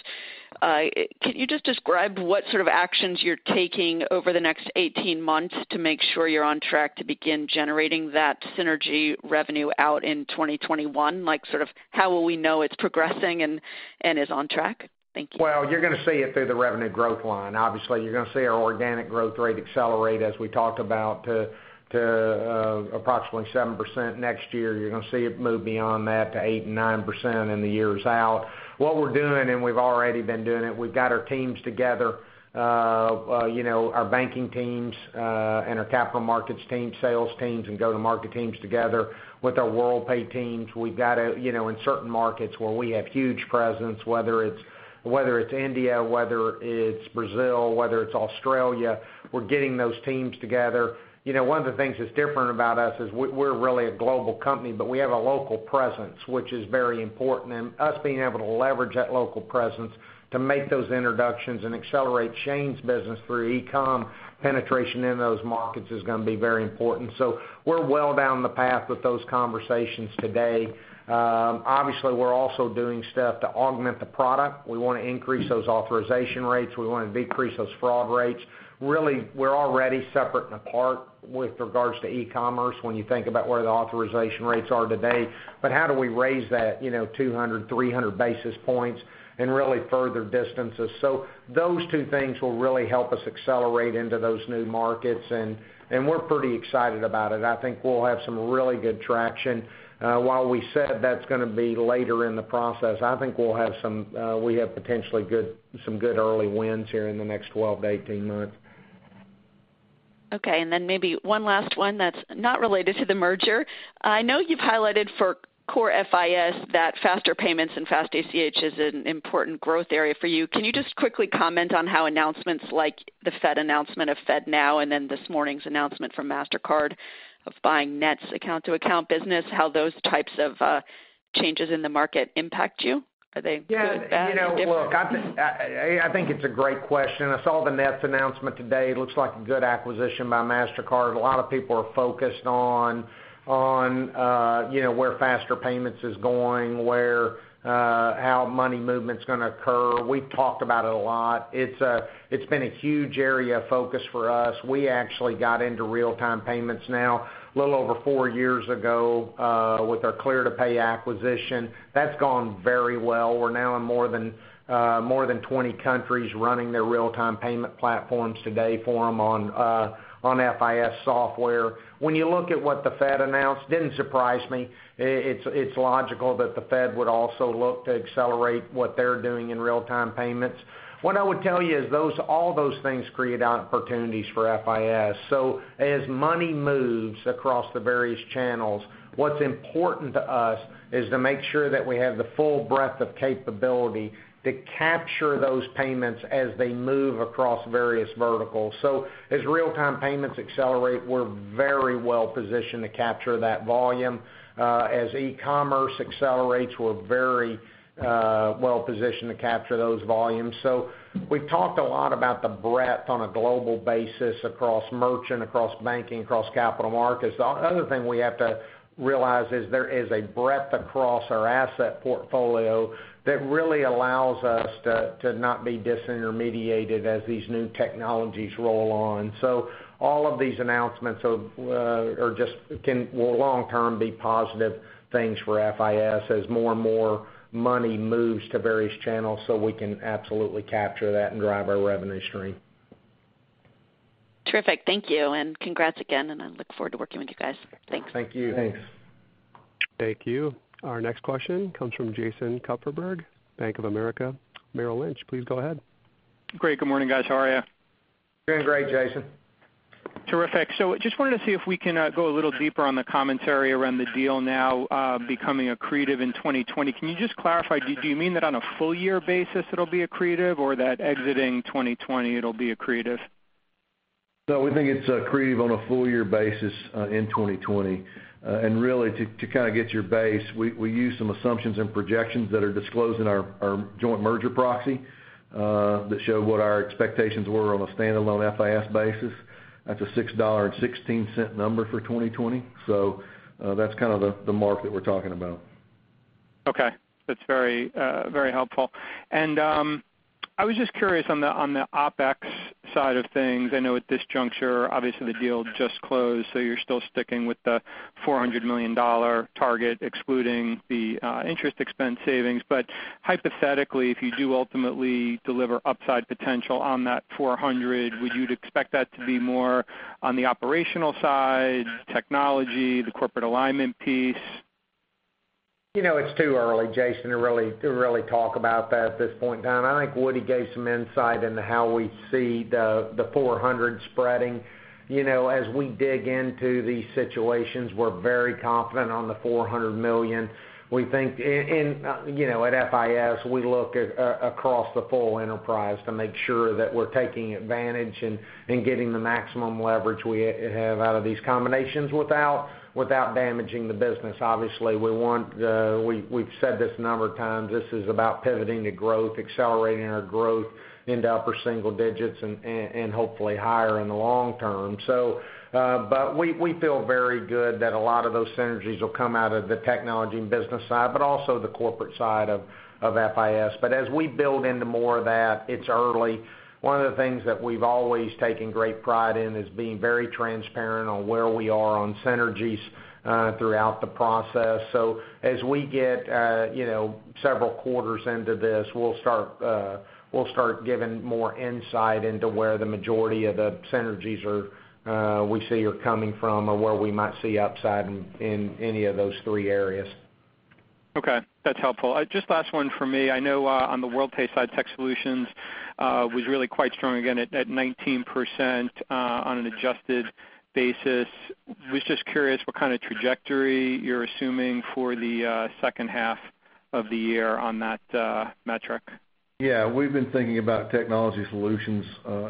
Can you just describe what sort of actions you're taking over the next 18 months to make sure you're on track to begin generating that synergy revenue out in 2021? Like sort of how will we know it's progressing and is on track? Thank you. Well, you're going to see it through the revenue growth line. Obviously, you're going to see our organic growth rate accelerate, as we talked about, to approximately 7% next year. You're going to see it move beyond that to 8% and 9% in the years out. What we're doing, and we've already been doing it, we've got our teams together, our Banking Solutions teams, and our Capital Market Solutions teams, sales teams, and go-to-market teams together with our Worldpay teams. In certain markets where we have huge presence, whether it's India, whether it's Brazil, whether it's Australia, we're getting those teams together. One of the things that's different about us is we're really a global company, but we have a local presence, which is very important. Us being able to leverage that local presence to make those introductions and accelerate Shane's business through e-com penetration in those markets is going to be very important. We're well down the path with those conversations today. Obviously, we're also doing stuff to augment the product. We want to increase those authorization rates. We want to decrease those fraud rates. Really, we're already separate and apart with regards to e-commerce when you think about where the authorization rates are today. How do we raise that 200, 300 basis points and really further distance us? Those two things will really help us accelerate into those new markets, and we're pretty excited about it. I think we'll have some really good traction. While we said that's going to be later in the process, I think we have potentially some good early wins here in the next 12-18 months. Maybe one last one that's not related to the merger. I know you've highlighted for core FIS that faster payments and fast ACH is an important growth area for you. Can you just quickly comment on how announcements like the Fed announcement of FedNow and then this morning's announcement from Mastercard of buying Nets' account-to-account business, how those types of changes in the market impact you? Are they good, bad, indifferent? Look, I think it's a great question. I saw the Nets announcement today. It looks like a good acquisition by Mastercard. A lot of people are focused on where faster payments is going, how money movement's going to occur. We've talked about it a lot. It's been a huge area of focus for us. We actually got into real-time payments now a little over four years ago, with our Clear2Pay acquisition. That's gone very well. We're now in more than 20 countries running their real-time payment platforms today for them on FIS software. When you look at what the Fed announced, didn't surprise me. It's logical that the Fed would also look to accelerate what they're doing in real-time payments. What I would tell you is all those things create opportunities for FIS. As money moves across the various channels, what's important to us is to make sure that we have the full breadth of capability to capture those payments as they move across various verticals. As real-time payments accelerate, we're very well-positioned to capture that volume. As e-commerce accelerates, we're very well-positioned to capture those volumes. We've talked a lot about the breadth on a global basis across merchant, across banking, across capital markets. The other thing we have to realize is there is a breadth across our asset portfolio that really allows us to not be disintermediated as these new technologies roll on. All of these announcements will long term be positive things for FIS as more and more money moves to various channels, so we can absolutely capture that and drive our revenue stream. Terrific. Thank you. Congrats again. I look forward to working with you guys. Thanks. Thank you. Thanks. Thank you. Our next question comes from Jason Kupferberg, Bank of America, Merrill Lynch. Please go ahead. Great. Good morning, guys. How are you? Doing great, Jason. Terrific. Just wanted to see if we can go a little deeper on the commentary around the deal now becoming accretive in 2020. Can you just clarify, do you mean that on a full year basis it'll be accretive or that exiting 2020 it'll be accretive? No, we think it's accretive on a full year basis in 2020. Really, to kind of get your base, we use some assumptions and projections that are disclosed in our joint merger proxy, that show what our expectations were on a standalone FIS basis. That's a $6.16 number for 2020. That's kind of the mark that we're talking about. Okay. That's very helpful. I was just curious on the OPEX side of things. I know at this juncture, obviously the deal just closed, so you're still sticking with the $400 million target, excluding the interest expense savings. Hypothetically, if you do ultimately deliver upside potential on that $400, would you expect that to be more on the operational side, technology, the corporate alignment piece? It's too early, Jason, to really talk about that at this point in time. I think Woody gave some insight into how we see the $400 spreading. As we dig into these situations, we're very confident on the $400 million. At FIS, we look across the full enterprise to make sure that we're taking advantage and getting the maximum leverage we have out of these combinations without damaging the business. Obviously, we've said this a number of times, this is about pivoting to growth, accelerating our growth into upper single digits, and hopefully higher in the long term. We feel very good that a lot of those synergies will come out of the technology and business side, but also the corporate side of FIS. As we build into more of that, it's early. One of the things that we've always taken great pride in is being very transparent on where we are on synergies throughout the process. As we get several quarters into this, we'll start giving more insight into where the majority of the synergies we see are coming from or where we might see upside in any of those three areas. Okay. That's helpful. Just last one for me. I know on the Worldpay side, Tech Solutions was really quite strong again at 19% on an adjusted basis. I was just curious what kind of trajectory you're assuming for the second half of the year on that metric. We've been thinking about Technology Solutions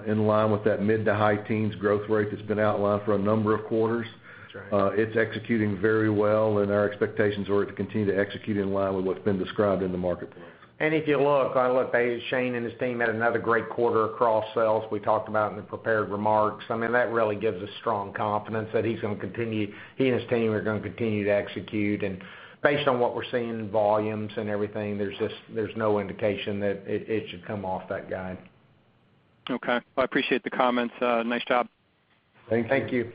in line with that mid to high teens growth rate that's been outlined for a number of quarters. That's right. It's executing very well, and our expectations are to continue to execute in line with what's been described in the marketplace. If you look, Shane and his team had another great quarter across sales. We talked about it in the prepared remarks. I mean, that really gives us strong confidence that he and his team are going to continue to execute. Based on what we're seeing in volumes and everything, there's no indication that it should come off that guide. Okay. I appreciate the comments. Nice job. Thank you. Thank you.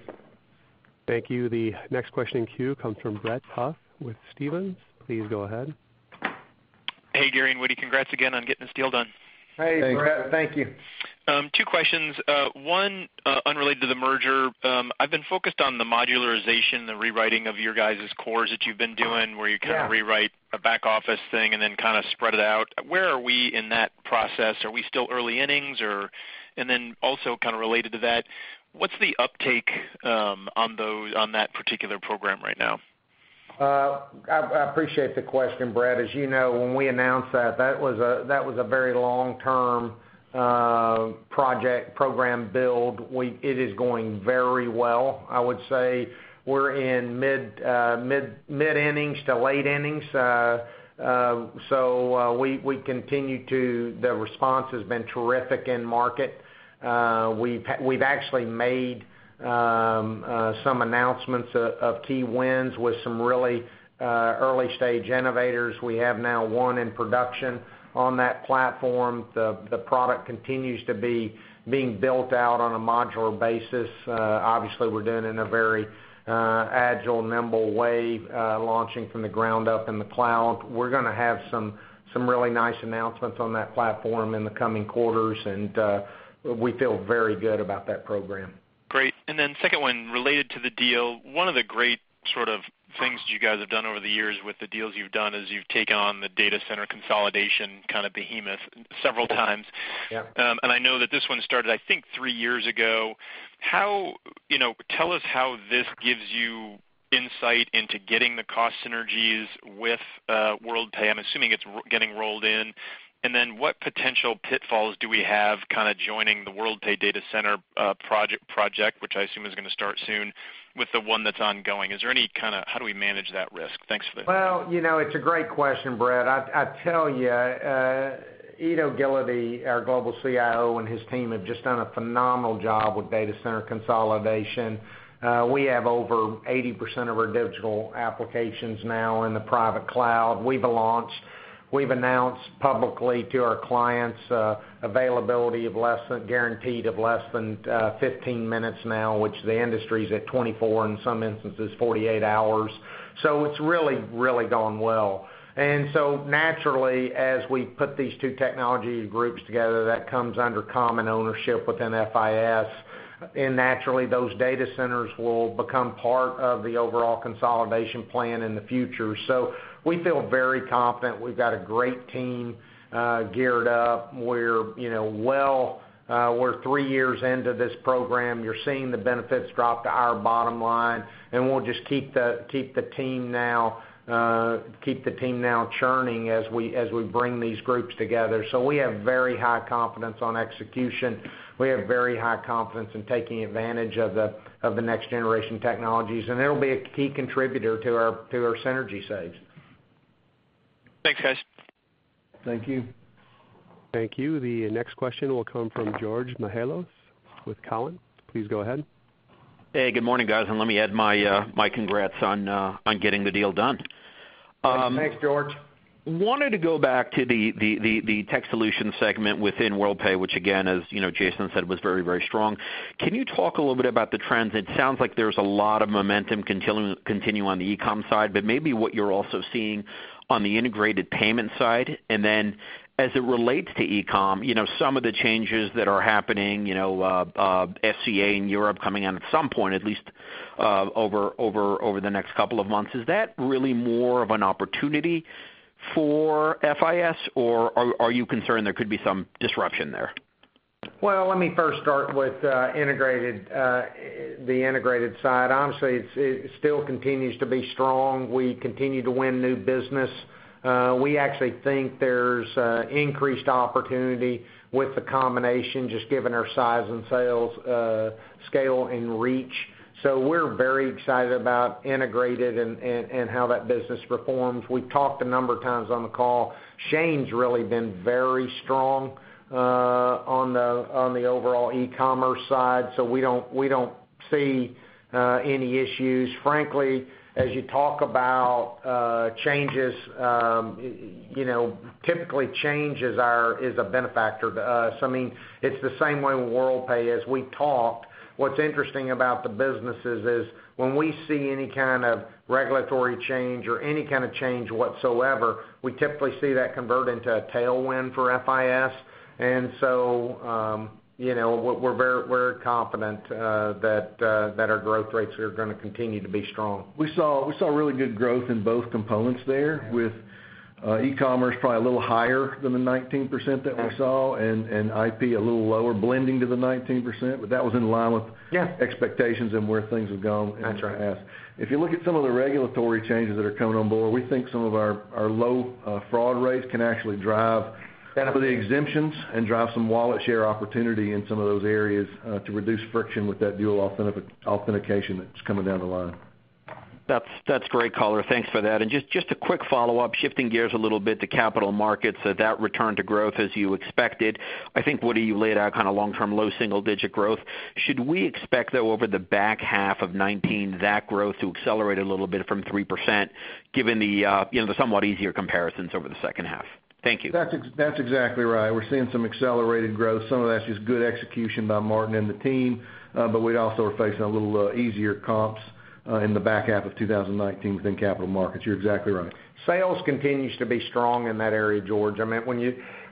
Thank you. The next question in queue comes from Brett Huff with Stephens. Please go ahead. Hey, Gary and Woody. Congrats again on getting this deal done. Hey, Brett. Thank you. Two questions. One, unrelated to the merger. I've been focused on the modularization, the rewriting of your guys' cores that you've been doing, where you kind of rewrite a back office thing and then kind of spread it out. Where are we in that process? Are we still early innings? Also kind of related to that, what's the uptake on that particular program right now? I appreciate the question, Brett. As you know, when we announced that was a very long-term project, program build. It is going very well. I would say we're in mid-innings to late innings. The response has been terrific in market. We've actually made some announcements of key wins with some really early-stage innovators. We have now one in production on that platform. The product continues to be being built out on a modular basis. Obviously, we're doing it in a very agile, nimble way, launching from the ground up in the cloud. We're going to have some really nice announcements on that platform in the coming quarters, and we feel very good about that program. Second one, related to the deal. One of the great sort of things you guys have done over the years with the deals you've done is you've taken on the data center consolidation kind of behemoth several times. Yeah. I know that this one started, I think, three years ago. Tell us how this gives you insight into getting the cost synergies with Worldpay. I'm assuming it's getting rolled in. What potential pitfalls do we have joining the Worldpay data center project, which I assume is going to start soon, with the one that's ongoing? How do we manage that risk? Well, it's a great question, Brett. I tell you, Ido Gileadi, our global CIO, and his team have just done a phenomenal job with data center consolidation. We have over 80% of our digital applications now in the private cloud. We've announced publicly to our clients availability of less than guaranteed of less than 15 minutes now, which the industry's at 24, in some instances, 48 hours. It's really, really gone well. Naturally, as we put these two technology groups together, that comes under common ownership within FIS, and naturally those data centers will become part of the overall consolidation plan in the future. We feel very confident. We've got a great team geared up. We're three years into this program. You're seeing the benefits drop to our bottom line, and we'll just keep the team now churning as we bring these groups together. We have very high confidence on execution. We have very high confidence in taking advantage of the next-generation technologies, and it'll be a key contributor to our synergy saves. Thanks, guys. Thank you. Thank you. The next question will come from George Mihalos with Cowen. Please go ahead. Hey, good morning, guys. Let me add my congrats on getting the deal done. Thanks, George. wanted to go back to the Technology Solutions segment within Worldpay, which again, as Jason said, was very, very strong. Can you talk a little bit about the trends? It sounds like there's a lot of momentum continuing on the e-com side, but maybe what you're also seeing on the integrated payment side, and then as it relates to e-com, some of the changes that are happening, SCA in Europe coming on at some point at least over the next couple of months. Is that really more of an opportunity for FIS, or are you concerned there could be some disruption there? Well, let me first start with the integrated side. Honestly, it still continues to be strong. We continue to win new business. We actually think there's increased opportunity with the combination, just given our size and sales scale and reach. We're very excited about integrated and how that business performs. We've talked a number of times on the call. Shane's really been very strong on the overall e-commerce side, so we don't see any issues. Frankly, as you talk about changes, typically change is a benefactor to us. It's the same way with Worldpay as we talked. What's interesting about the businesses is when we see any kind of regulatory change or any kind of change whatsoever, we typically see that convert into a tailwind for FIS. We're very confident that our growth rates are going to continue to be strong. We saw really good growth in both components there, with e-commerce probably a little higher than the 19% that we saw, and IP a little lower, blending to the 19%, but that was in line with- Yeah expectations and where things have gone. That's right. in the past. If you look at some of the regulatory changes that are coming on board, we think some of our low fraud rates can actually drive some of the exemptions and drive some wallet share opportunity in some of those areas to reduce friction with that dual authentication that's coming down the line. That's great, caller. Thanks for that. Just a quick follow-up, shifting gears a little bit to capital markets, that return to growth as you expected. I think, Woody, you laid out long-term low single-digit growth. Should we expect, though, over the back half of 2019, that growth to accelerate a little bit from 3% given the somewhat easier comparisons over the second half? Thank you. That's exactly right. We're seeing some accelerated growth. Some of that's just good execution by Martin and the team, we also are facing a little easier comps in the back half of 2019 within capital markets. You're exactly right. Sales continues to be strong in that area, George.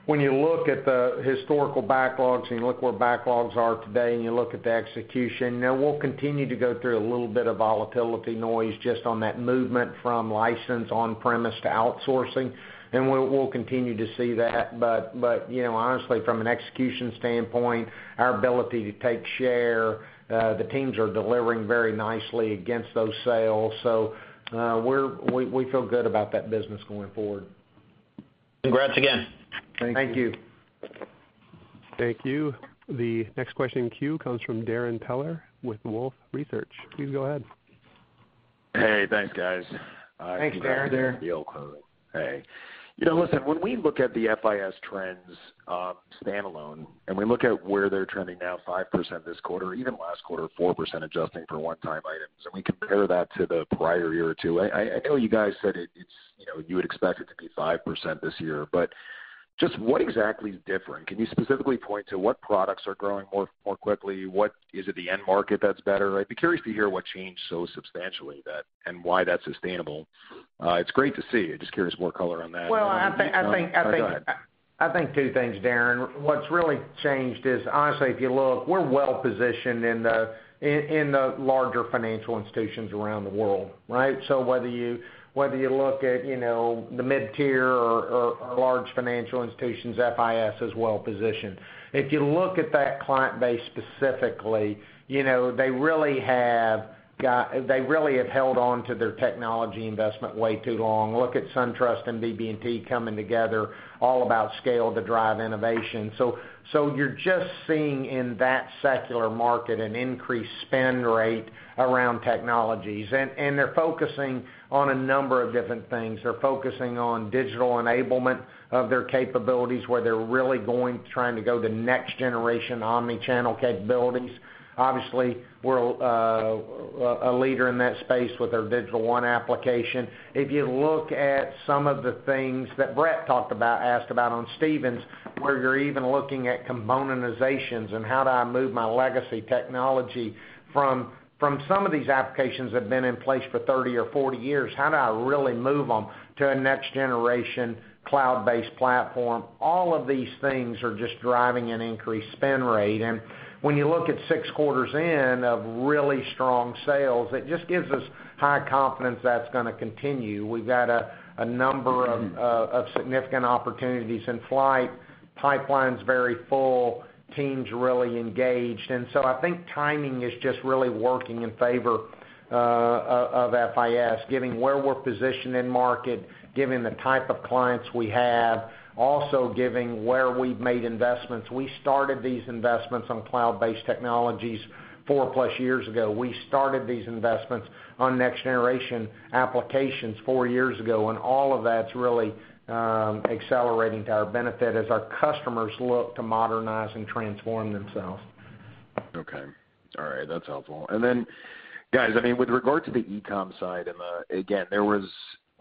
When you look at the historical backlogs and you look where backlogs are today and you look at the execution, we'll continue to go through a little bit of volatility noise just on that movement from license on-premise to outsourcing, and we'll continue to see that. Honestly, from an execution standpoint, our ability to take share, the teams are delivering very nicely against those sales. We feel good about that business going forward. Congrats again. Thank you. Thank you. Thank you. The next question in queue comes from Darrin Peller with Wolfe Research. Please go ahead. Hey, thanks, guys. Thanks, Darrin. Hey, Darrin. Listen, when we look at the FIS trends standalone, and we look at where they're trending now, 5% this quarter, even last quarter, 4% adjusting for one-time items, and we compare that to the prior year or two, I know you guys said you would expect it to be 5% this year, but just what exactly is different? Can you specifically point to what products are growing more quickly? Is it the end market that's better, right? I'd be curious to hear what changed so substantially and why that's sustainable. It's great to see. I'm just curious more color on that. Well, I think- Go ahead. I think two things, Darrin. What's really changed is, honestly, if you look, we're well-positioned in the larger financial institutions around the world, right? Whether you look at the mid-tier or large financial institutions, FIS is well-positioned. If you look at that client base specifically, they really have held on to their technology investment way too long. Look at SunTrust and BB&T coming together, all about scale to drive innovation. You're just seeing in that secular market an increased spend rate around technologies. They're focusing on a number of different things. They're focusing on digital enablement of their capabilities, where they're really going, trying to go to next-generation omni-channel capabilities. Obviously, we're a leader in that space with our Digital One application. If you look at some of the things that Brett talked about, asked about on Stephens, where you're even looking at componentizations and how do I move my legacy technology from some of these applications that have been in place for 30 or 40 years, how do I really move them to a next-generation cloud-based platform? All of these things are just driving an increased spend rate. When you look at six quarters in of really strong sales, it just gives us high confidence that's going to continue. We've got a number of significant opportunities in flight, pipeline's very full, team's really engaged. I think timing is just really working in favor of FIS, given where we're positioned in market, given the type of clients we have, also given where we've made investments. We started these investments on cloud-based technologies 4+ years ago. We started these investments on next-generation applications four years ago, and all of that's really accelerating to our benefit as our customers look to modernize and transform themselves. Okay. All right. That's helpful. Guys, with regard to the e-com side, and again, there was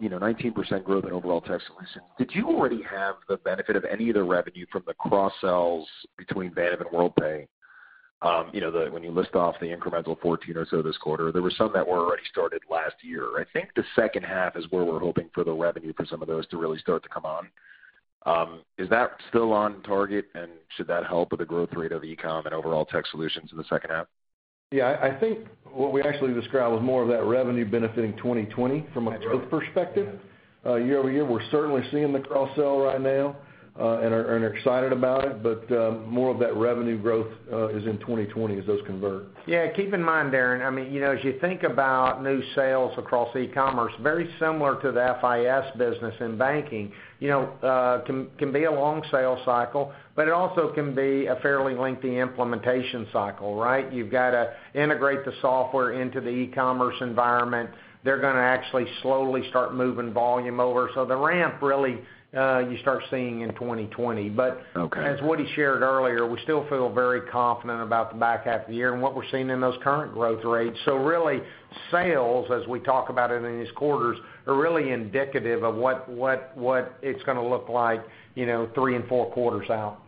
19% growth in overall Tech Solutions. Did you already have the benefit of any of the revenue from the cross-sells between Vantiv and Worldpay? When you list off the incremental 14 or so this quarter, there were some that were already started last year. I think the second half is where we're hoping for the revenue for some of those to really start to come on. Is that still on target, and should that help with the growth rate of e-com and overall Tech Solutions in the second half? Yeah, I think what we actually described was more of that revenue benefiting 2020 from a growth perspective. Year-over-year, we're certainly seeing the cross-sell right now and are excited about it. More of that revenue growth is in 2020 as those convert. Keep in mind, Darrin, as you think about new sales across e-commerce, very similar to the FIS business in banking, can be a long sales cycle, but it also can be a fairly lengthy implementation cycle, right? You've got to integrate the software into the e-commerce environment. They're going to actually slowly start moving volume over. The ramp really, you start seeing in 2020. Okay. As Woody shared earlier, we still feel very confident about the back half of the year and what we're seeing in those current growth rates. Really, sales, as we talk about it in these quarters, are really indicative of what it's going to look like three and four quarters out.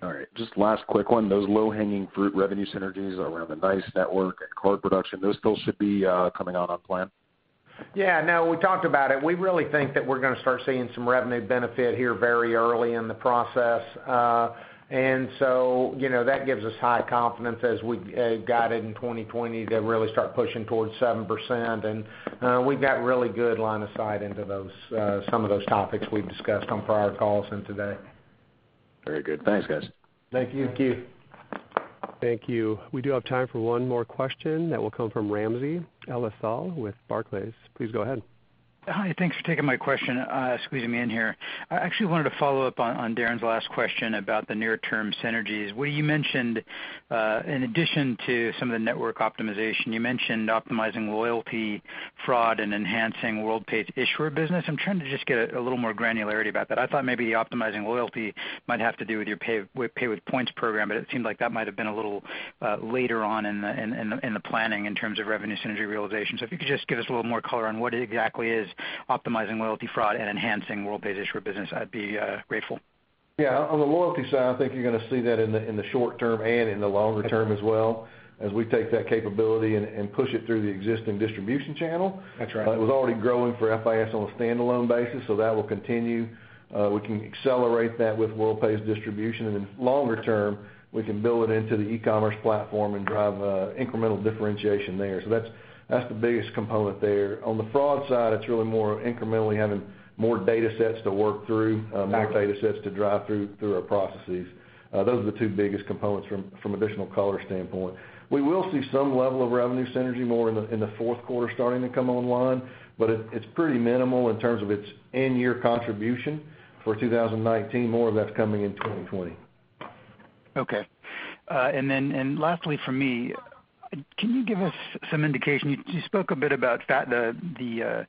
All right. Just last quick one. Those low-hanging fruit revenue synergies around the NYCE network and card production, those still should be coming out on plan? We talked about it. We really think that we're going to start seeing some revenue benefit here very early in the process. That gives us high confidence as we guided in 2020 to really start pushing towards 7%. We've got really good line of sight into some of those topics we've discussed on prior calls and today. Very good. Thanks, guys. Thank you. Thank you. Thank you. We do have time for one more question. That will come from Ramsey El-Assal with Barclays. Please go ahead. Hi, thanks for taking my question, squeezing me in here. I actually wanted to follow up on Darrin's last question about the near-term synergies. Woody, you mentioned, in addition to some of the network optimization, you mentioned optimizing loyalty, fraud, and enhancing Worldpay's issuer business. I'm trying to just get a little more granularity about that. I thought maybe optimizing loyalty might have to do with your Pay with Points program, but it seemed like that might've been a little later on in the planning in terms of revenue synergy realization. If you could just give us a little more color on what exactly is optimizing loyalty, fraud, and enhancing Worldpay's issuer business, I'd be grateful. Yeah. On the loyalty side, I think you're going to see that in the short term and in the longer term as well, as we take that capability and push it through the existing distribution channel. That's right. It was already growing for FIS on a standalone basis, so that will continue. We can accelerate that with Worldpay's distribution, and then longer term, we can build it into the e-commerce platform and drive incremental differentiation there. That's the biggest component there. On the fraud side, it's really more incrementally having more data sets to work through Got it. more data sets to drive through our processes. Those are the two biggest components from additional color standpoint. We will see some level of revenue synergy more in the fourth quarter starting to come online, but it's pretty minimal in terms of its in-year contribution for 2019. More of that's coming in 2020. Okay. Lastly for me, can you give us some indication, you spoke a bit about the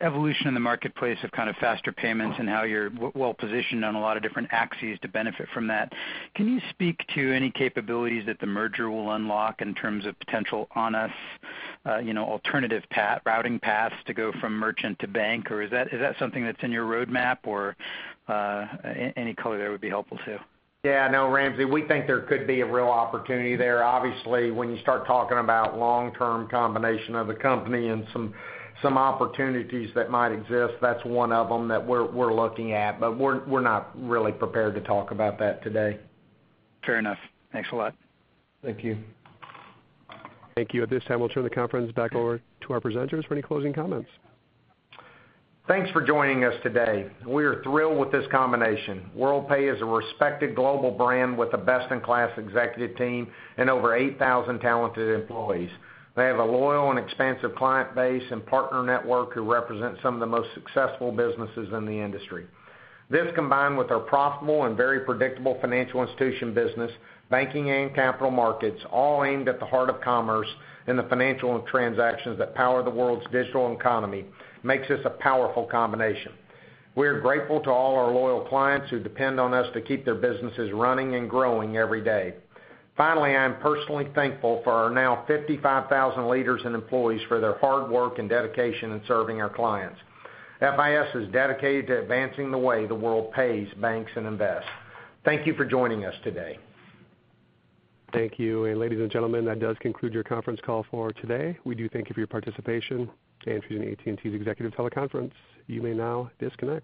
evolution in the marketplace of kind of faster payments and how you're well-positioned on a lot of different axes to benefit from that. Can you speak to any capabilities that the merger will unlock in terms of potential on us, alternative routing paths to go from merchant to bank? Is that something that's in your roadmap, or any color there would be helpful too. Yeah, no, Ramsey, we think there could be a real opportunity there. Obviously, when you start talking about long-term combination of the company and some opportunities that might exist, that's one of them that we're looking at. We're not really prepared to talk about that today. Fair enough. Thanks a lot. Thank you. Thank you. At this time, we'll turn the conference back over to our presenters for any closing comments. Thanks for joining us today. We are thrilled with this combination. Worldpay is a respected global brand with a best-in-class executive team and over 8,000 talented employees. They have a loyal and expansive client base and partner network who represent some of the most successful businesses in the industry. This, combined with our profitable and very predictable financial institution business, Banking, and Capital Markets, all aimed at the heart of commerce and the financial transactions that power the world's digital economy, makes this a powerful combination. We are grateful to all our loyal clients who depend on us to keep their businesses running and growing every day. Finally, I am personally thankful for our now 55,000 leaders and employees for their hard work and dedication in serving our clients. FIS is dedicated to advancing the way the world pays, banks, and invests. Thank you for joining us today. Thank you. Ladies and gentlemen, that does conclude your conference call for today. We do thank you for your participation in AT&T's executive teleconference. You may now disconnect.